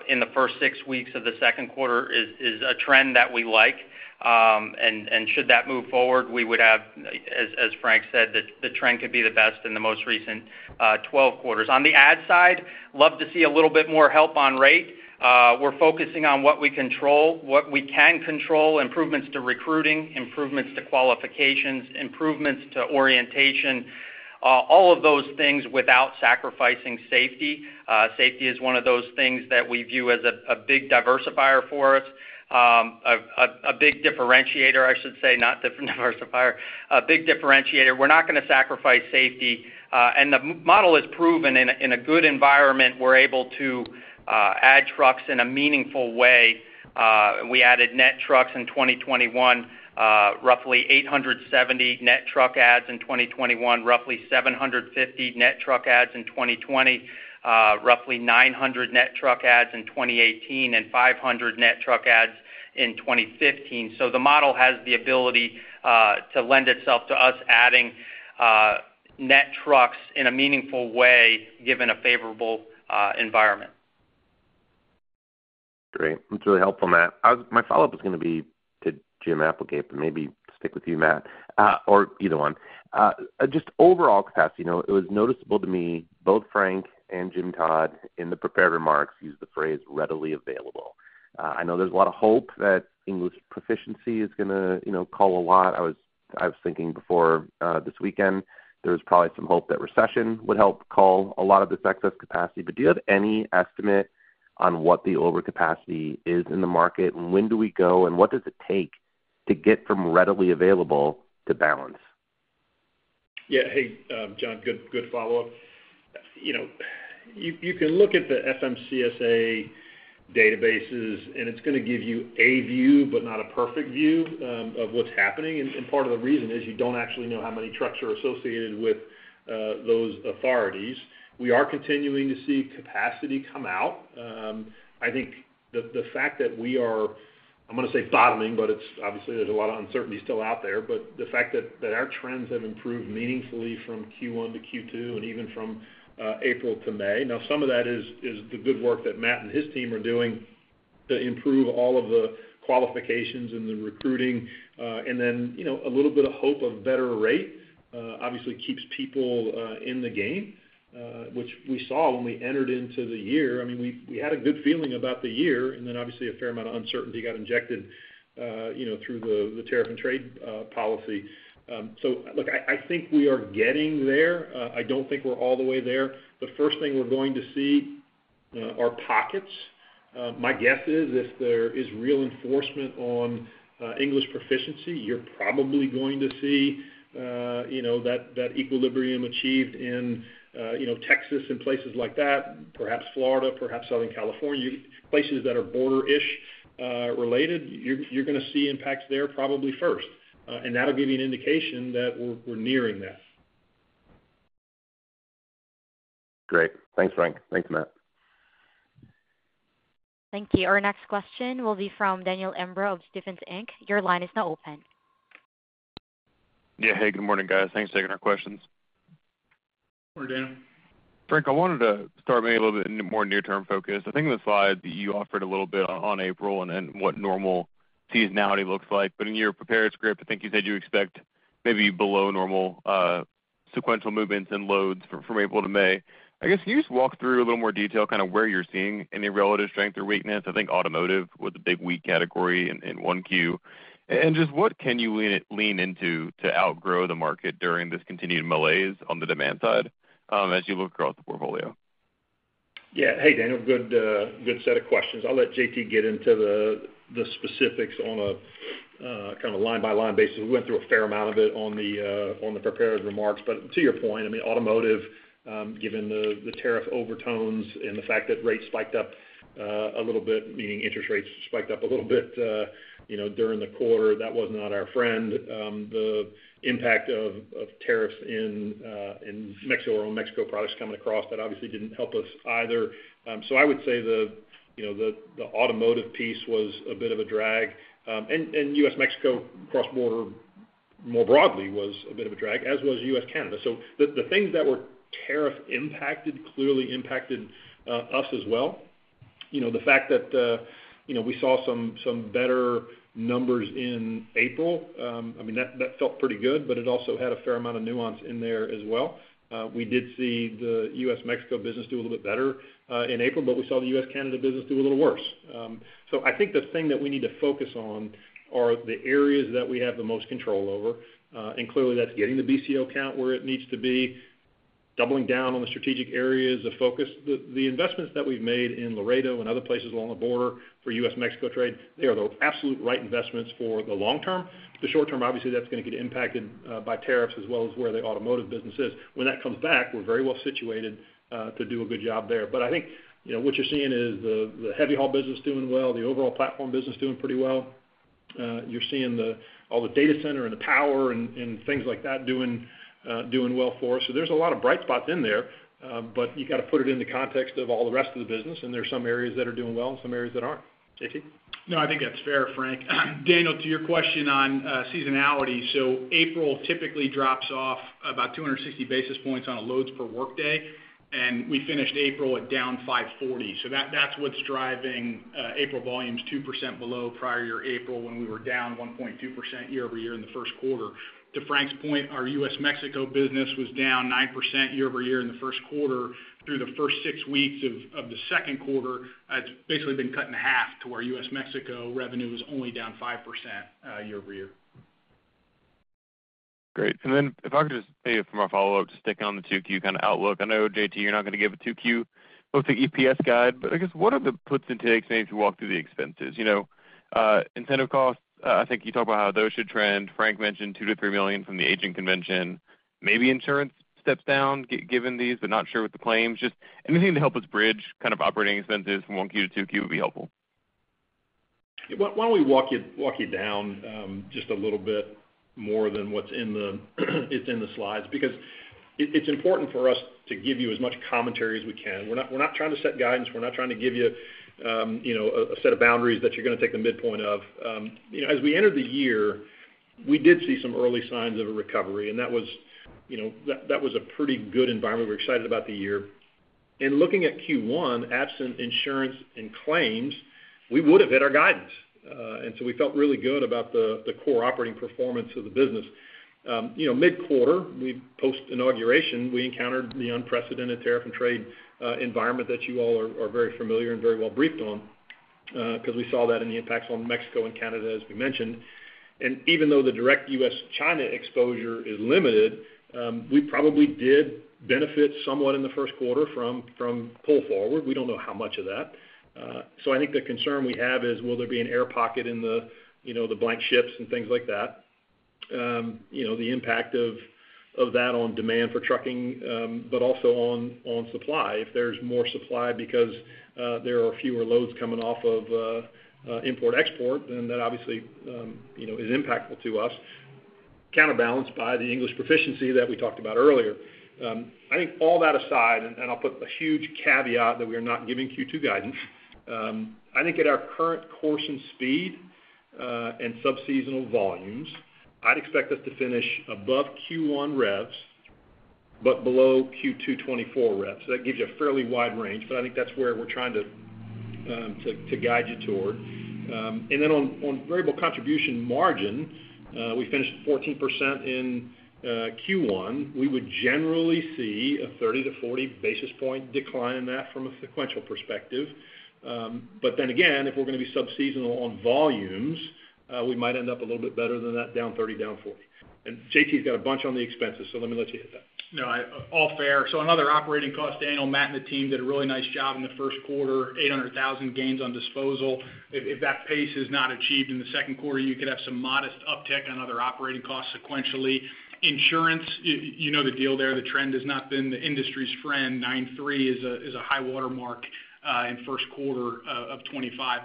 S5: in the first six weeks of the second quarter is a trend that we like. Should that move forward, we would have, as Frank said, the trend could be the best in the most recent 12 quarters. On the ad side, love to see a little bit more help on rate. We're focusing on what we control, what we can control, improvements to recruiting, improvements to qualifications, improvements to orientation, all of those things without sacrificing safety. Safety is one of those things that we view as a big diversifier for us, a big differentiator, I should say, not different diversifier, a big differentiator. We're not going to sacrifice safety. The model is proven in a good environment, we're able to add trucks in a meaningful way. We added net trucks in 2021, roughly 870 net truck ads in 2021, roughly 750 net truck ads in 2020, roughly 900 net truck ads in 2018, and 500 net truck ads in 2015. The model has the ability to lend itself to us adding net trucks in a meaningful way given a favorable environment.
S8: Great. That is really helpful, Matt. My follow-up was going to be to Jim Applegate, but maybe stick with you, Matt, or either one. Just overall capacity, you know, it was noticeable to me both Frank and Jim Todd in the prepared remarks used the phrase readily available. I know there is a lot of hope that English proficiency is going to, you know, cull a lot. I was thinking before this weekend, there was probably some hope that recession would help cull a lot of this excess capacity. Do you have any estimate on what the overcapacity is in the market and when do we go and what does it take to get from readily available to balance?
S3: Yeah. Hey, John, good follow-up. You know, you can look at the FMCSA databases, and it's going to give you a view, but not a perfect view of what's happening. Part of the reason is you don't actually know how many trucks are associated with those authorities. We are continuing to see capacity come out. I think the fact that we are, I'm going to say bottoming, but it's obviously there's a lot of uncertainty still out there, but the fact that our trends have improved meaningfully from Q1-Q2 and even from April to May. Now, some of that is the good work that Matt and his team are doing to improve all of the qualifications and the recruiting. You know, a little bit of hope of better rate obviously keeps people in the game, which we saw when we entered into the year. I mean, we had a good feeling about the year, and then obviously a fair amount of uncertainty got injected, you know, through the tariff and trade policy. Look, I think we are getting there. I do not think we are all the way there. The first thing we are going to see are pockets. My guess is if there is real enforcement on English proficiency, you are probably going to see, you know, that equilibrium achieved in, you know, Texas and places like that, perhaps Florida, perhaps Southern California, places that are border-ish related. You are going to see impacts there probably first. That will give you an indication that we are nearing that.
S8: Great. Thanks, Frank. Thanks, Matt.
S1: Thank you. Our next question will be from Daniel Imbro of Stephens Inc. Your line is now open.
S9: Yeah. Hey, good morning, guys. Thanks for taking our questions.
S3: Morning, Daniel.
S9: Frank, I wanted to start maybe a little bit more near-term focus. I think in the slides that you offered a little bit on April and what normal seasonality looks like, but in your prepared script, I think you said you expect maybe below normal sequential movements in loads from April to May. I guess can you just walk through a little more detail kind of where you're seeing any relative strength or weakness? I think automotive was a big weak category in Q1. And just what can you lean into to outgrow the market during this continued malaise on the demand side as you look across the portfolio?
S3: Yeah. Hey, Daniel, good set of questions. I'll let JT get into the specifics on a kind of line-by-line basis. We went through a fair amount of it on the prepared remarks. But to your point, I mean, automotive, given the tariff overtones and the fact that rates spiked up a little bit, meaning interest rates spiked up a little bit, you know, during the quarter, that was not our friend. The impact of tariffs in Mexico or on Mexico products coming across, that obviously did not help us either. I would say the, you know, the automotive piece was a bit of a drag. U.S.-Mexico cross-border more broadly was a bit of a drag, as was U.S.-Canada. The things that were tariff impacted clearly impacted us as well. You know, the fact that, you know, we saw some better numbers in April, I mean, that felt pretty good, but it also had a fair amount of nuance in there as well. We did see the U.S.-Mexico business do a little bit better in April, but we saw the U.S.-Canada business do a little worse. I think the thing that we need to focus on are the areas that we have the most control over. Clearly, that is getting the BCO count where it needs to be, doubling down on the strategic areas of focus. The investments that we have made in Laredo and other places along the border for U.S.-Mexico trade are the absolute right investments for the long term. The short term, obviously, is going to get impacted by tariffs as well as where the automotive business is. When that comes back, we are very well situated to do a good job there. I think, you know, what you are seeing is the heavy haul business doing well, the overall platform business doing pretty well. You're seeing all the data center and the power and things like that doing well for us. There is a lot of bright spots in there, but you got to put it in the context of all the rest of the business. There are some areas that are doing well and some areas that are not. JT?
S2: No, I think that's fair, Frank. Daniel, to your question on seasonality, April typically drops off about 260 basis points on a loads per workday. We finished April at down 540. That is what is driving April volumes 2% below prior year April when we were down 1.2% year over year in the first quarter. To Frank's point, our U.S.-Mexico business was down 9% year over year in the first quarter through the first six weeks of the second quarter. It's basically been cut in half to where U.S.-Mexico revenue was only down 5% year over year.
S9: Great. And then if I could just say from our follow-up, just sticking on the 2Q kind of outlook. I know, JT, you're not going to give a 2Q with the EPS guide, but I guess what are the puts and takes maybe if you walk through the expenses? You know, incentive costs, I think you talked about how those should trend. Frank mentioned $2 million-$3 million from the agent convention. Maybe insurance steps down given these, but not sure with the claims. Just anything to help us bridge kind of operating expenses from 1Q-2Q would be helpful.
S3: Why don't we walk you down just a little bit more than what's in the slides? Because it's important for us to give you as much commentary as we can. We're not trying to set guidance. We're not trying to give you, you know, a set of boundaries that you're going to take the midpoint of. You know, as we entered the year, we did see some early signs of a recovery. And that was, you know, that was a pretty good environment. We're excited about the year. Looking at Q1, absent insurance and claims, we would have hit our guidance. We felt really good about the core operating performance of the business. You know, mid-quarter, post-inauguration, we encountered the unprecedented tariff and trade environment that you all are very familiar and very well briefed on because we saw that in the impacts on Mexico and Canada, as we mentioned. Even though the direct U.S.-China exposure is limited, we probably did benefit somewhat in the first quarter from pull forward. We do not know how much of that. I think the concern we have is, will there be an air pocket in the, you know, the blank ships and things like that? You know, the impact of that on demand for trucking, but also on supply. If there is more supply because there are fewer loads coming off of import-export, then that obviously, you know, is impactful to us. Counterbalanced by the English proficiency that we talked about earlier. I think all that aside, and I will put a huge caveat that we are not giving Q2 guidance. I think at our current course and speed and subseasonal volumes, I would expect us to finish above Q1 revs, but below Q2 2024 revs. That gives you a fairly wide range, but I think that is where we are trying to guide you toward. On variable contribution margin, we finished at 14% in Q1. We would generally see a 30-40 basis point decline in that from a sequential perspective. If we are going to be subseasonal on volumes, we might end up a little bit better than that, down 30, down 40. JT's got a bunch on the expenses, so let me let you hit that.
S2: No, all fair. On other operating costs, Daniel, Matt and the team did a really nice job in the first quarter, $800,000 gains on disposal. If that pace is not achieved in the second quarter, you could have some modest uptick on other operating costs sequentially. Insurance, you know the deal there, the trend has not been the industry's friend. 93 is a high watermark in first quarter of 2025.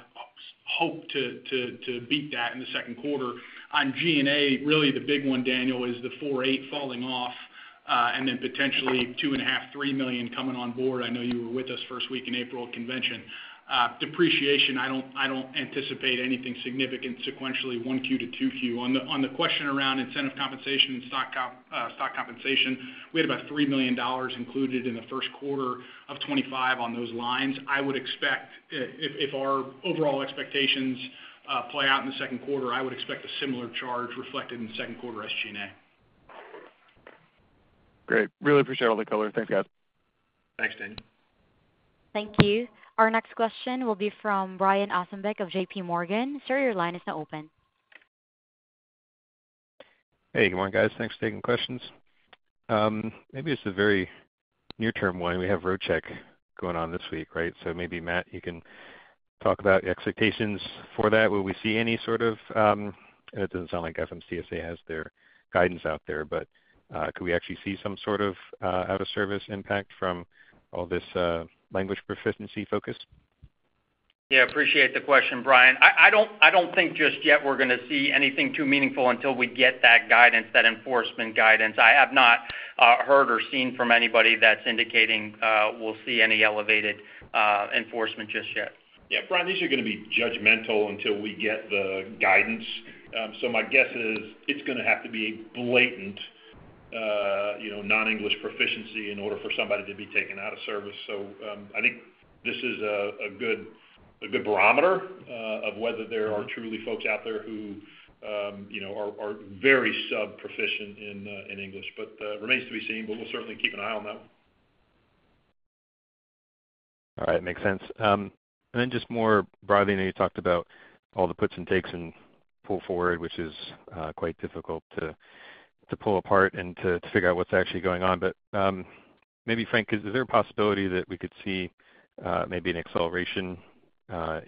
S2: Hope to beat that in the second quarter. On G&A, really the big one, Daniel, is the 48 falling off and then potentially $2.5 million-$3 million coming on board. I know you were with us first week in April at convention. Depreciation, I do not anticipate anything significant sequentially one queue to two queue. On the question around incentive compensation and stock compensation, we had about $3 million included in the first quarter of 2025 on those lines. I would expect if our overall expectations play out in the second quarter, I would expect a similar charge reflected in second quarter SG&A.
S9: Great. Really appreciate all the color. Thanks, guys.
S3: Thanks, Daniel.
S1: Thank you. Our next question will be from Brian Ossenbeck of JPMorgan. Sir, your line is now open.
S10: Hey, good morning, guys. Thanks for taking questions. Maybe it is a very near-term one. We have road check going on this week, right? Maybe, Matt, you can talk about expectations for that. Will we see any sort of, and it does not sound like FMCSA has their guidance out there, but could we actually see some sort of out-of-service impact from all this language proficiency focus?
S5: Yeah, appreciate the question, Brian. I do not think just yet we are going to see anything too meaningful until we get that guidance, that enforcement guidance. I have not heard or seen from anybody that is indicating we will see any elevated enforcement just yet. Yeah, Brian, these are going to be judgmental until we get the guidance. My guess is it is going to have to be a blatant, you know, non-English proficiency in order for somebody to be taken out of service. I think this is a good barometer of whether there are truly folks out there who, you know, are very sub-proficient in English. It remains to be seen, but we will certainly keep an eye on that one.
S10: All right. Makes sense. And then just more broadly, you know, you talked about all the puts and takes and pull forward, which is quite difficult to pull apart and to figure out what is actually going on. But maybe, Frank, is there a possibility that we could see maybe an acceleration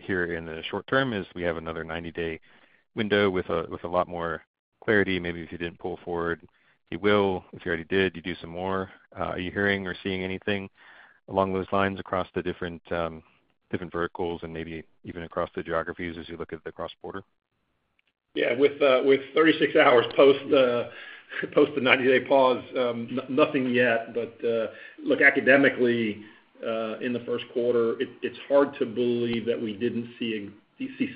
S10: here in the short term as we have another 90-day window with a lot more clarity? Maybe if you did not pull forward, you will. If you already did, you do some more. Are you hearing or seeing anything along those lines across the different verticals and maybe even across the geographies as you look at the cross-border?
S3: Yeah, with 36 hours post the 90-day pause, nothing yet. Look, academically, in the first quarter, it's hard to believe that we didn't see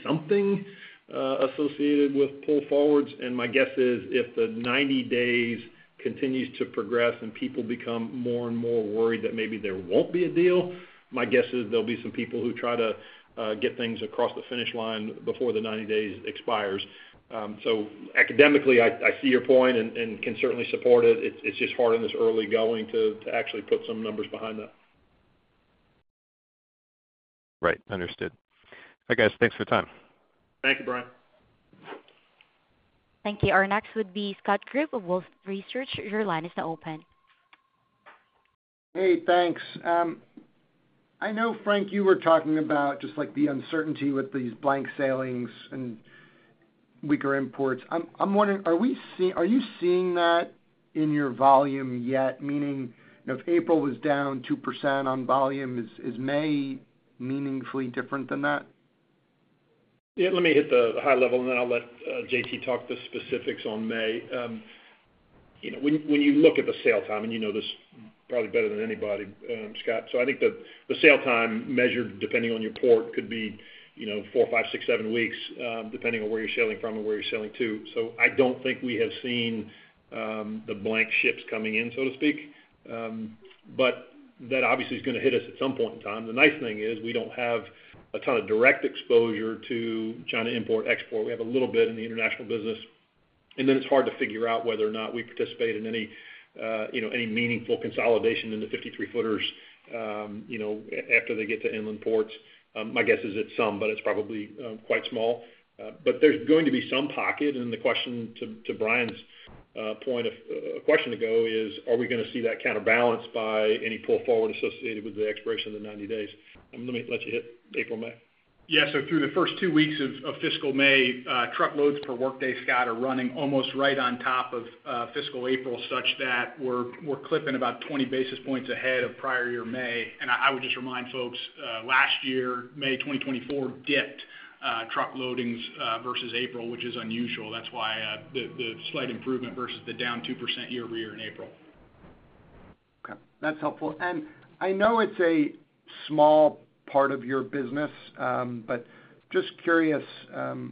S3: something associated with pull forwards. My guess is if the 90 days continues to progress and people become more and more worried that maybe there won't be a deal, my guess is there will be some people who try to get things across the finish line before the 90 days expires. Academically, I see your point and can certainly support it. It's just hard in this early going to actually put some numbers behind that. Right.
S10: Understood. Okay, guys, thanks for your time.
S3: Thank you, Brian.
S1: Thank you. Our next would be Scott Group of Wolfe Research. Your line is now open.
S11: Hey, thanks. I know, Frank, you were talking about just like the uncertainty with these blank sailings and weaker imports. I'm wondering, are you seeing that in your volume yet? Meaning, if April was down 2% on volume, is May meaningfully different than that?
S3: Yeah, let me hit the high level and then I'll let JT talk the specifics on May. You know, when you look at the sale time, and you know this probably better than anybody, Scott, I think the sale time measured depending on your port could be, you know, four, five, six, seven weeks depending on where you're sailing from and where you're sailing to. I don't think we have seen the blank ships coming in, so to speak. That obviously is going to hit us at some point in time. The nice thing is we don't have a ton of direct exposure to China import-export. We have a little bit in the international business. It is hard to figure out whether or not we participate in any, you know, any meaningful consolidation in the 53-footers, you know, after they get to inland ports. My guess is it is some, but it is probably quite small. There is going to be some pocket. The question to Brian's point a question ago is, are we going to see that counterbalanced by any pull forward associated with the expiration of the 90 days? Let me let you hit April, May. Yeah, through the first two weeks of fiscal May, truckloads per workday, Scott, are running almost right on top of fiscal April such that we are clipping about 20 basis points ahead of prior year May. I would just remind folks, last year, May 2024 dipped truck loadings versus April, which is unusual. That's why the slight improvement versus the down 2% year over year in April.
S11: Okay. That's helpful. I know it's a small part of your business, but just curious, the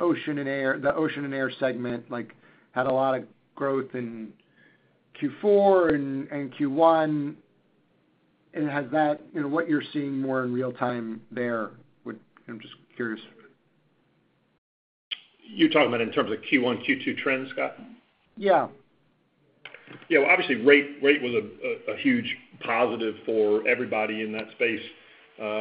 S11: ocean and air segment, like had a lot of growth in Q4 and Q1. Has that, you know, what you're seeing more in real time there would, I'm just curious.
S3: You're talking about in terms of Q1, Q2 trends, Scott?
S11: Yeah.
S3: Yeah, obviously rate was a huge positive for everybody in that space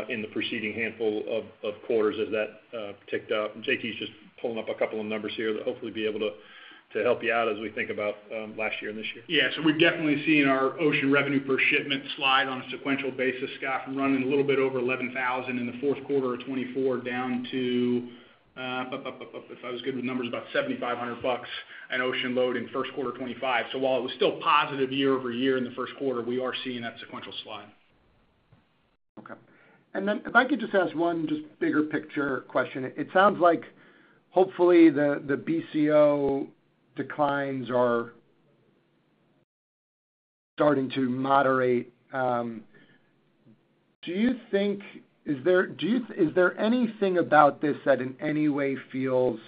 S3: in the preceding handful of quarters as that ticked up. JT's just pulling up a couple of numbers here that hopefully be able to help you out as we think about last year and this year.
S2: Yeah, so we've definitely seen our ocean revenue per shipment slide on a sequential basis, Scott, from running a little bit over $11,000 in the fourth quarter of 2024 down to, if I was good with numbers, about $7,500 an ocean load in first quarter 2025. While it was still positive year over year in the first quarter, we are seeing that sequential slide.
S11: Okay. If I could just ask one just bigger picture question. It sounds like hopefully the BCO declines are starting to moderate. Do you think, is there anything about this that in any way feels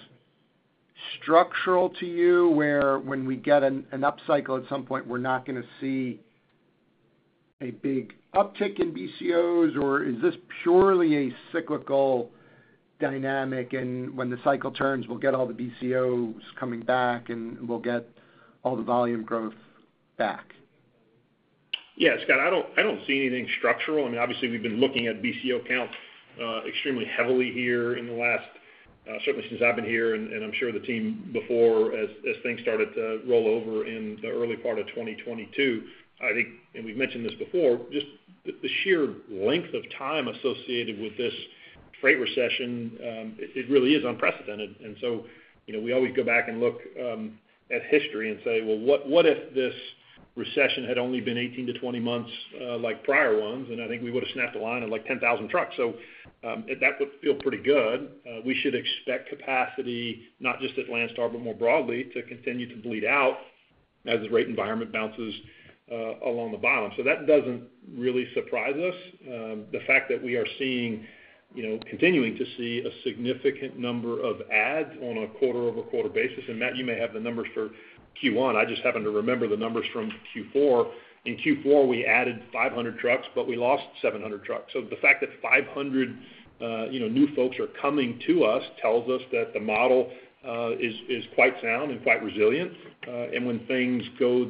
S11: structural to you where when we get an upcycle at some point, we're not going to see a big uptick in BCOs, or is this purely a cyclical dynamic and when the cycle turns, we'll get all the BCOs coming back and we'll get all the volume growth back?
S3: Yeah, Scott, I don't see anything structural. I mean, obviously we've been looking at BCO count extremely heavily here in the last, certainly since I've been here, and I'm sure the team before as things started to roll over in the early part of 2022. I think, and we've mentioned this before, just the sheer length of time associated with this freight recession, it really is unprecedented. You know, we always go back and look at history and say, well, what if this recession had only been 18-20 months like prior ones? I think we would have snapped a line of like 10,000 trucks. That would feel pretty good. We should expect capacity, not just at Landstar, but more broadly to continue to bleed out as the rate environment bounces along the bottom. That does not really surprise us. The fact that we are seeing, you know, continuing to see a significant number of adds on a quarter-over-quarter basis. Matt, you may have the numbers for Q1. I just happen to remember the numbers from Q4. In Q4, we added 500 trucks, but we lost 700 trucks. So the fact that 500, you know, new folks are coming to us tells us that the model is quite sound and quite resilient. And when things go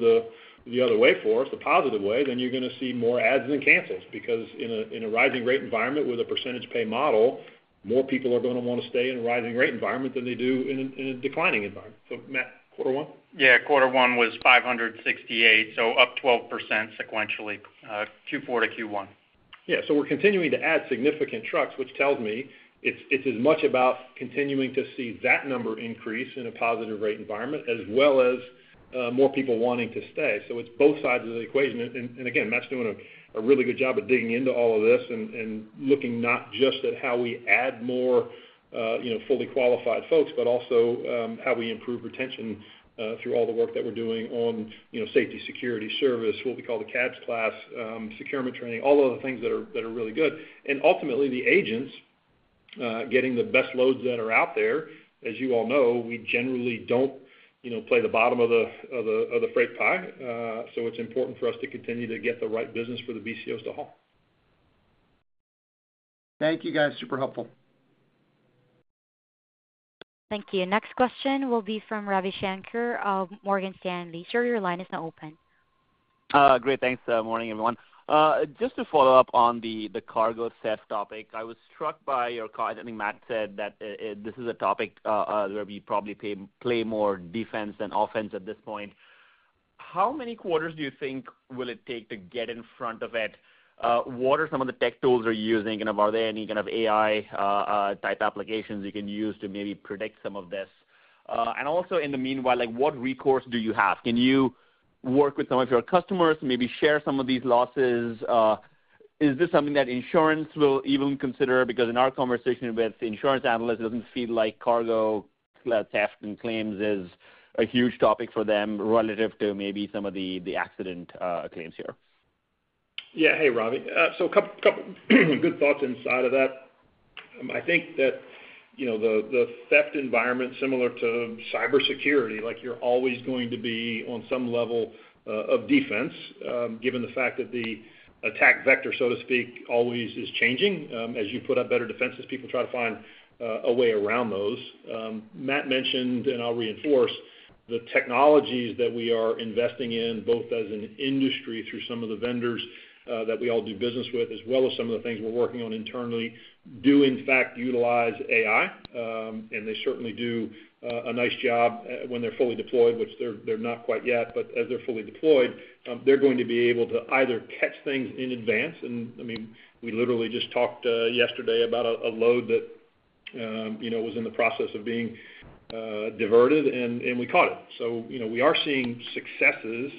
S3: the other way for us, the positive way, then you're going to see more adds than cancels because in a rising rate environment with a percentage pay model, more people are going to want to stay in a rising rate environment than they do in a declining environment. So Matt, quarter one?
S5: Yeah, quarter one was 568, so up 12% sequentially, Q4-Q1.
S3: Yeah, so we're continuing to add significant trucks, which tells me it's as much about continuing to see that number increase in a positive rate environment as well as more people wanting to stay. So it's both sides of the equation. Matt's doing a really good job of digging into all of this and looking not just at how we add more, you know, fully qualified folks, but also how we improve retention through all the work that we're doing on, you know, safety, security, service, what we call the CABS class, securement training, all of the things that are really good. Ultimately, the agents getting the best loads that are out there, as you all know, we generally don't, you know, play the bottom of the freight pie. It is important for us to continue to get the right business for the BCOs to haul.
S11: Thank you, guys. Super helpful.
S1: Thank you. Next question will be from Ravi Shanker of Morgan Stanley. Sir, your line is now open.
S12: Great. Thanks. Morning, everyone. Just to follow up on the cargo set topic, I was struck by your comment. I think Matt said that this is a topic where we probably play more defense than offense at this point. How many quarters do you think will it take to get in front of it? What are some of the tech tools are you using? Are there any kind of AI-type applications you can use to maybe predict some of this? Also, in the meanwhile, like what recourse do you have? Can you work with some of your customers, maybe share some of these losses? Is this something that insurance will even consider? Because in our conversation with insurance analysts, it does not feel like cargo theft and claims is a huge topic for them relative to maybe some of the accident claims here.
S3: Yeah. Hey, Ravi. A couple of good thoughts inside of that. I think that, you know, the theft environment, similar to cybersecurity, like you're always going to be on some level of defense, given the fact that the attack vector, so to speak, always is changing. As you put up better defenses, people try to find a way around those. Matt mentioned, and I'll reinforce, the technologies that we are investing in, both as an industry through some of the vendors that we all do business with, as well as some of the things we're working on internally, do in fact utilize AI. They certainly do a nice job when they're fully deployed, which they're not quite yet. As they're fully deployed, they're going to be able to either catch things in advance. I mean, we literally just talked yesterday about a load that, you know, was in the process of being diverted, and we caught it. You know, we are seeing successes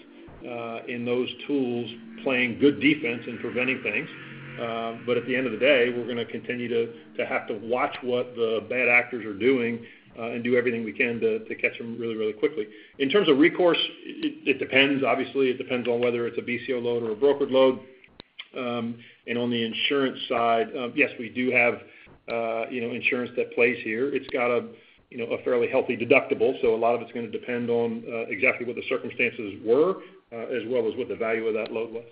S3: in those tools playing good defense and preventing things. At the end of the day, we're going to continue to have to watch what the bad actors are doing and do everything we can to catch them really, really quickly. In terms of recourse, it depends, obviously. It depends on whether it's a BCO load or a brokered load. On the insurance side, yes, we do have, you know, insurance that plays here. It's got a, you know, a fairly healthy deductible. A lot of it's going to depend on exactly what the circumstances were, as well as what the value of that load was.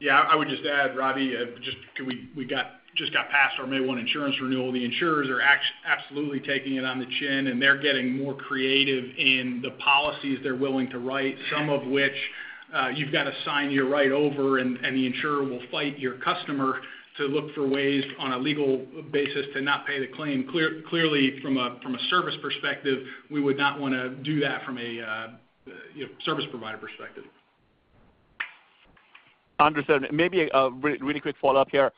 S5: Yeah, I would just add, Ravi, just because we just got past our May 1 insurance renewal, the insurers are absolutely taking it on the chin, and they're getting more creative in the policies they're willing to write, some of which you've got to sign your right over, and the insurer will fight your customer to look for ways on a legal basis to not pay the claim. Clearly, from a service perspective, we would not want to do that from a, you know, service provider perspective.
S12: Understood. Maybe a really quick follow-up here.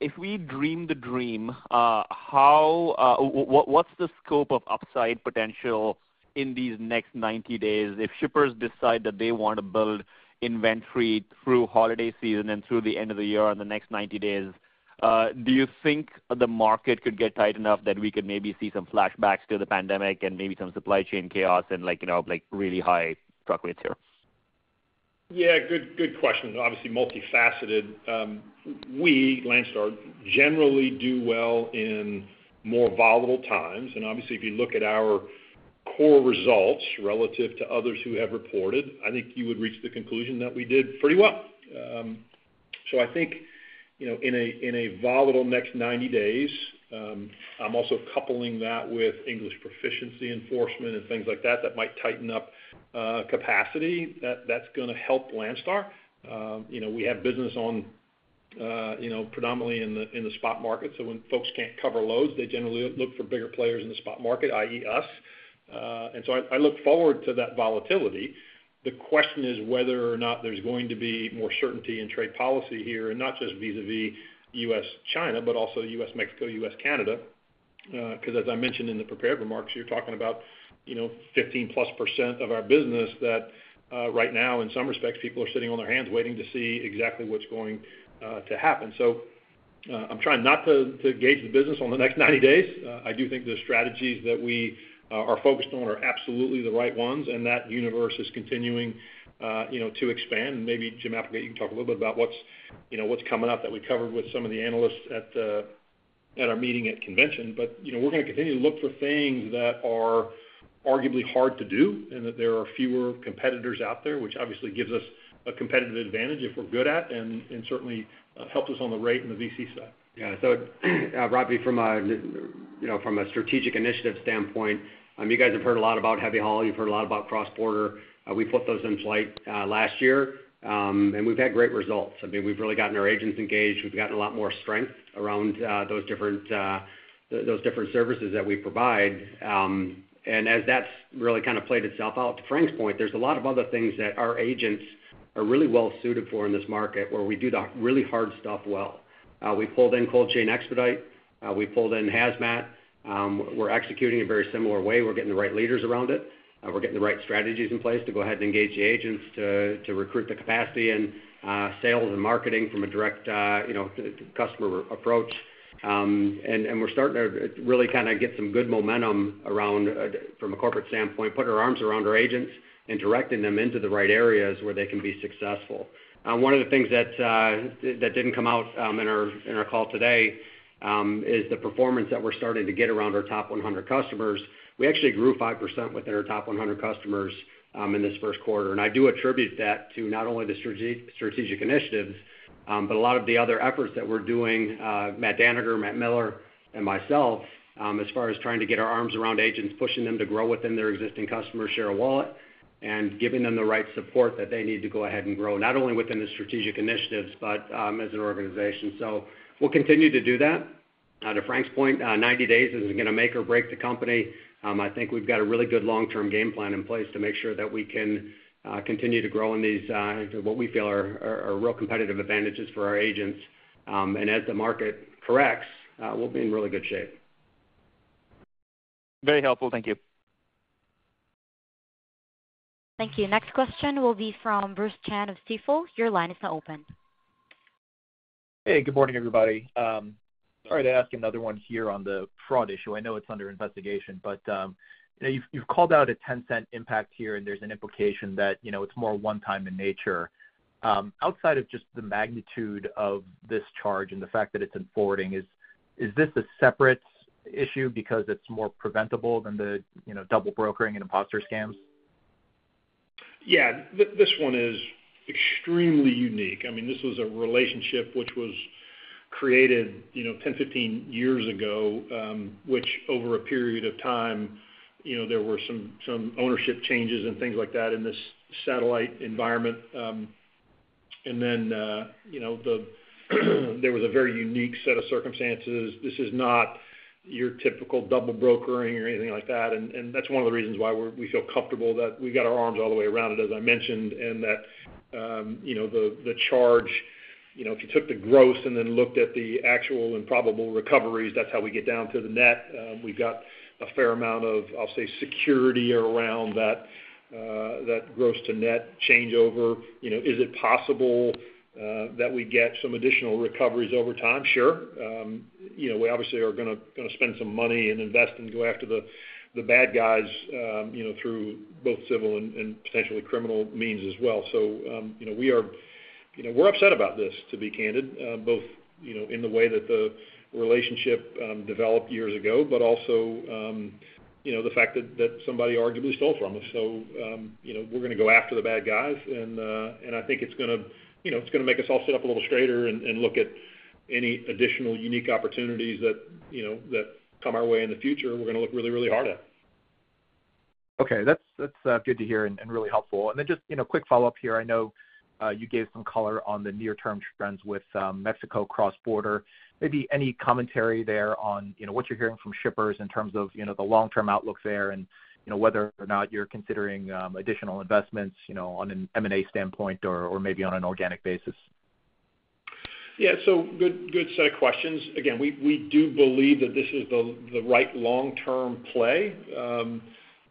S12: If we dream the dream, what's the scope of upside potential in these next 90 days? If shippers decide that they want to build inventory through holiday season and through the end of the year on the next 90 days, do you think the market could get tight enough that we could maybe see some flashbacks to the pandemic and maybe some supply chain chaos and like, you know, like really high truck rates here?
S3: Yeah, good question. Obviously multifaceted. We, Landstar, generally do well in more volatile times. And obviously, if you look at our core results relative to others who have reported, I think you would reach the conclusion that we did pretty well. So I think, you know, in a volatile next 90 days, I'm also coupling that with English proficiency enforcement and things like that that might tighten up capacity. That's going to help Landstar. You know, we have business on, you know, predominantly in the spot market. When folks can't cover loads, they generally look for bigger players in the spot market, i.e., us. I look forward to that volatility. The question is whether or not there's going to be more certainty in trade policy here, and not just vis-à-vis U.S.-China, but also U.S.-Mexico-U.S.-Canada. Because as I mentioned in the prepared remarks, you're talking about, you know, 15+% of our business that right now, in some respects, people are sitting on their hands waiting to see exactly what's going to happen. I'm trying not to gauge the business on the next 90 days. I do think the strategies that we are focused on are absolutely the right ones. That universe is continuing, you know, to expand. Maybe Jim Applegate, you can talk a little bit about what's, you know, what's coming up that we covered with some of the analysts at our meeting at convention. We're going to continue to look for things that are arguably hard to do and that there are fewer competitors out there, which obviously gives us a competitive advantage if we're good at it and certainly helps us on the rate and the VC side.
S7: Yeah. Ravi, from a strategic initiative standpoint, you guys have heard a lot about Heavy Haul. You've heard a lot about CrossBorder. We put those in flight last year, and we've had great results. I mean, we've really gotten our agents engaged. We've gotten a lot more strength around those different services that we provide. As that's really kind of played itself out to Frank's point, there's a lot of other things that our agents are really well suited for in this market where we do the really hard stuff well. We pulled in Cold Chain Expedite. We pulled in Hazmat. We're executing in a very similar way. We're getting the right leaders around it. We're getting the right strategies in place to go ahead and engage the agents to recruit the capacity and sales and marketing from a direct, you know, customer approach. We're starting to really kind of get some good momentum around, from a corporate standpoint, putting our arms around our agents and directing them into the right areas where they can be successful. One of the things that didn't come out in our call today is the performance that we're starting to get around our top 100 customers. We actually grew 5% within our top 100 customers in this first quarter. I do attribute that to not only the strategic initiatives, but a lot of the other efforts that we're doing, Matt Dannegger, Matt Miller, and myself, as far as trying to get our arms around agents, pushing them to grow within their existing customer share wallet and giving them the right support that they need to go ahead and grow not only within the strategic initiatives, but as an organization. We'll continue to do that. To Frank's point, 90 days isn't going to make or break the company. I think we've got a really good long-term game plan in place to make sure that we can continue to grow in these, what we feel are real competitive advantages for our agents. As the market corrects, we'll be in really good shape.
S1: Very helpful. Thank you. Thank you. Next question will be from Bruce Chan of Stifel. Your line is now open.
S13: Hey, good morning, everybody. Sorry to ask another one here on the fraud issue. I know it's under investigation, but you've called out a $0.10 impact here, and there's an implication that, you know, it's more one-time in nature. Outside of just the magnitude of this charge and the fact that it's in forwarding, is this a separate issue because it's more preventable than the, you know, double brokering and imposter scams?
S3: Yeah, this one is extremely unique. I mean, this was a relationship which was created, you know, 10-15 years ago, which over a period of time, you know, there were some ownership changes and things like that in this satellite environment. And then, you know, there was a very unique set of circumstances. This is not your typical double brokering or anything like that. That is one of the reasons why we feel comfortable that we have got our arms all the way around it, as I mentioned, and that, you know, the charge, you know, if you took the gross and then looked at the actual and probable recoveries, that is how we get down to the net. We have got a fair amount of, I will say, security around that gross-to-net changeover. You know, is it possible that we get some additional recoveries over time? Sure. You know, we obviously are going to spend some money and invest and go after the bad guys, you know, through both civil and potentially criminal means as well. So, you know, we are, you know, we're upset about this, to be candid, both, you know, in the way that the relationship developed years ago, but also, you know, the fact that somebody arguably stole from us. So, you know, we're going to go after the bad guys. And I think it's going to, you know, it's going to make us all sit up a little straighter and look at any additional unique opportunities that, you know, that come our way in the future. We're going to look really, really hard at.
S13: Okay. That's good to hear and really helpful. And then just, you know, quick follow-up here. I know you gave some color on the near-term trends with Mexico CrossBorder. Maybe any commentary there on, you know, what you're hearing from shippers in terms of, you know, the long-term outlook there and, you know, whether or not you're considering additional investments, you know, on an M&A standpoint or maybe on an organic basis?
S3: Yeah. So good set of questions. Again, we do believe that this is the right long-term play.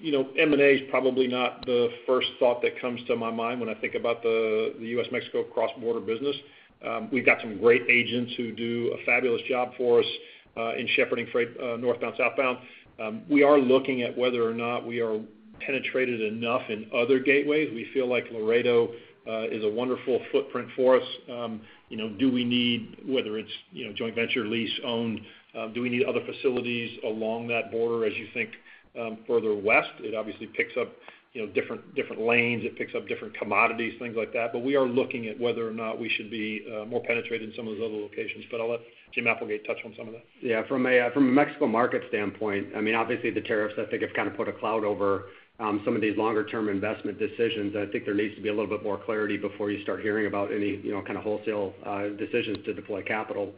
S3: You know, M&A is probably not the first thought that comes to my mind when I think about the U.S.-Mexico cross-border business. We've got some great agents who do a fabulous job for us in shepherding freight northbound, southbound. We are looking at whether or not we are penetrated enough in other gateways. We feel like Laredo is a wonderful footprint for us. You know, do we need, whether it's, you know, joint venture, lease, owned? Do we need other facilities along that border as you think further west? It obviously picks up, you know, different lanes. It picks up different commodities, things like that. We are looking at whether or not we should be more penetrated in some of those other locations. I'll let Jim Applegate touch on some of that.
S7: Yeah. From a Mexico market standpoint, I mean, obviously the tariffs, I think, have kind of put a cloud over some of these longer-term investment decisions. I think there needs to be a little bit more clarity before you start hearing about any, you know, kind of wholesale decisions to deploy capital.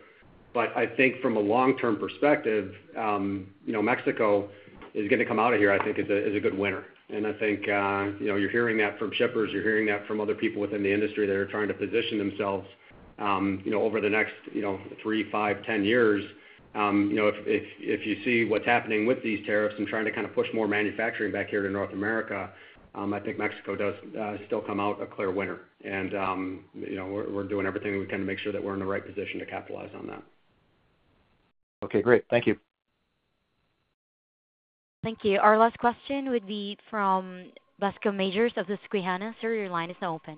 S7: I think from a long-term perspective, you know, Mexico is going to come out of here, I think, as a good winner. I think, you know, you're hearing that from shippers. You're hearing that from other people within the industry that are trying to position themselves, you know, over the next, you know, three, five, ten years. You know, if you see what's happening with these tariffs and trying to kind of push more manufacturing back here to North America, I think Mexico does still come out a clear winner. You know, we're doing everything we can to make sure that we're in the right position to capitalize on that.
S13: Okay. Great. Thank you.
S1: Thank you. Our last question would be from Bascome Majors of Susquehanna. Sir, your line is now open.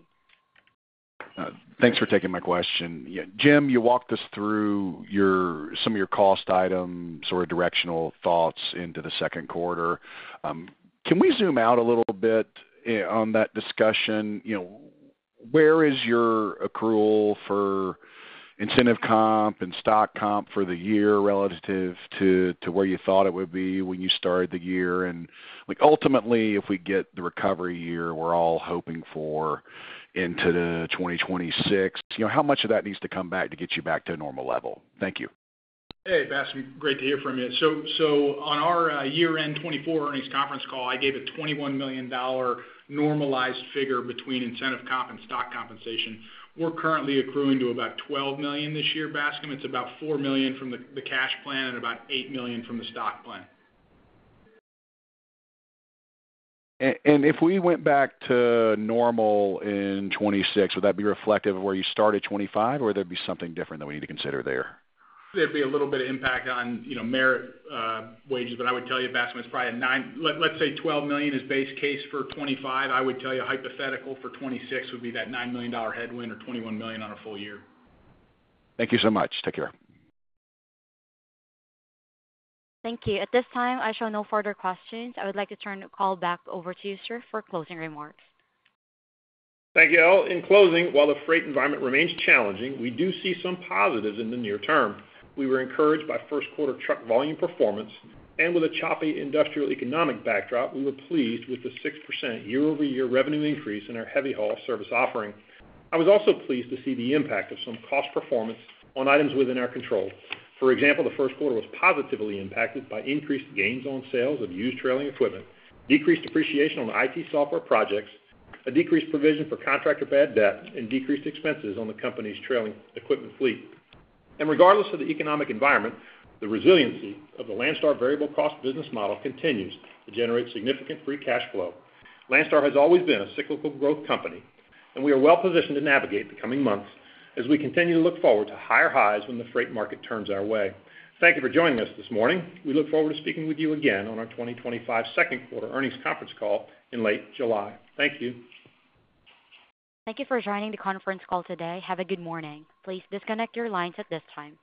S14: Thanks for taking my question. Yeah. Jim, you walked us through some of your cost items or directional thoughts into the second quarter. Can we zoom out a little bit on that discussion? You know, where is your accrual for incentive comp and stock comp for the year relative to where you thought it would be when you started the year? And ultimately, if we get the recovery year we're all hoping for into 2026, you know, how much of that needs to come back to get you back to a normal level? Thank you.
S2: Hey, Bascome. Great to hear from you. On our year-end 2024 earnings conference call, I gave a $21 million normalized figure between incentive comp and stock compensation. We're currently accruing to about $12 million this year, Bascomb. It's about $4 million from the cash plan and about $8 million from the stock plan.
S14: If we went back to normal in 2026, would that be reflective of where you started 2025, or would there be something different that we need to consider there?
S2: There'd be a little bit of impact on, you know, merit wages. But I would tell you, Bascomb, it's probably a $9 million, let's say $12 million is base case for 2025. I would tell you hypothetical for 2026 would be that $9 million headwind or $21 million on a full year.
S14: Thank you so much. Take care.
S1: Thank you. At this time, I show no further questions. I would like to turn the call back over to you, sir, for closing remarks.
S3: Thank you all. In closing, while the freight environment remains challenging, we do see some positives in the near term. We were encouraged by first-quarter truck volume performance. And with a choppy industrial economic backdrop, we were pleased with the 6% year-over-year revenue increase in our heavy haul service offering. I was also pleased to see the impact of some cost performance on items within our control. For example, the first quarter was positively impacted by increased gains on sales of used trailing equipment, decreased depreciation on IT software projects, a decreased provision for contractor bad debt, and decreased expenses on the company's trailing equipment fleet. Regardless of the economic environment, the resiliency of the Landstar variable cost business model continues to generate significant free cash flow. Landstar has always been a cyclical growth company, and we are well positioned to navigate the coming months as we continue to look forward to higher highs when the freight market turns our way. Thank you for joining us this morning. We look forward to speaking with you again on our 2025 second quarter earnings conference call in late July. Thank you.
S1: Thank you for joining the conference call today. Have a good morning. Please disconnect your lines at this time.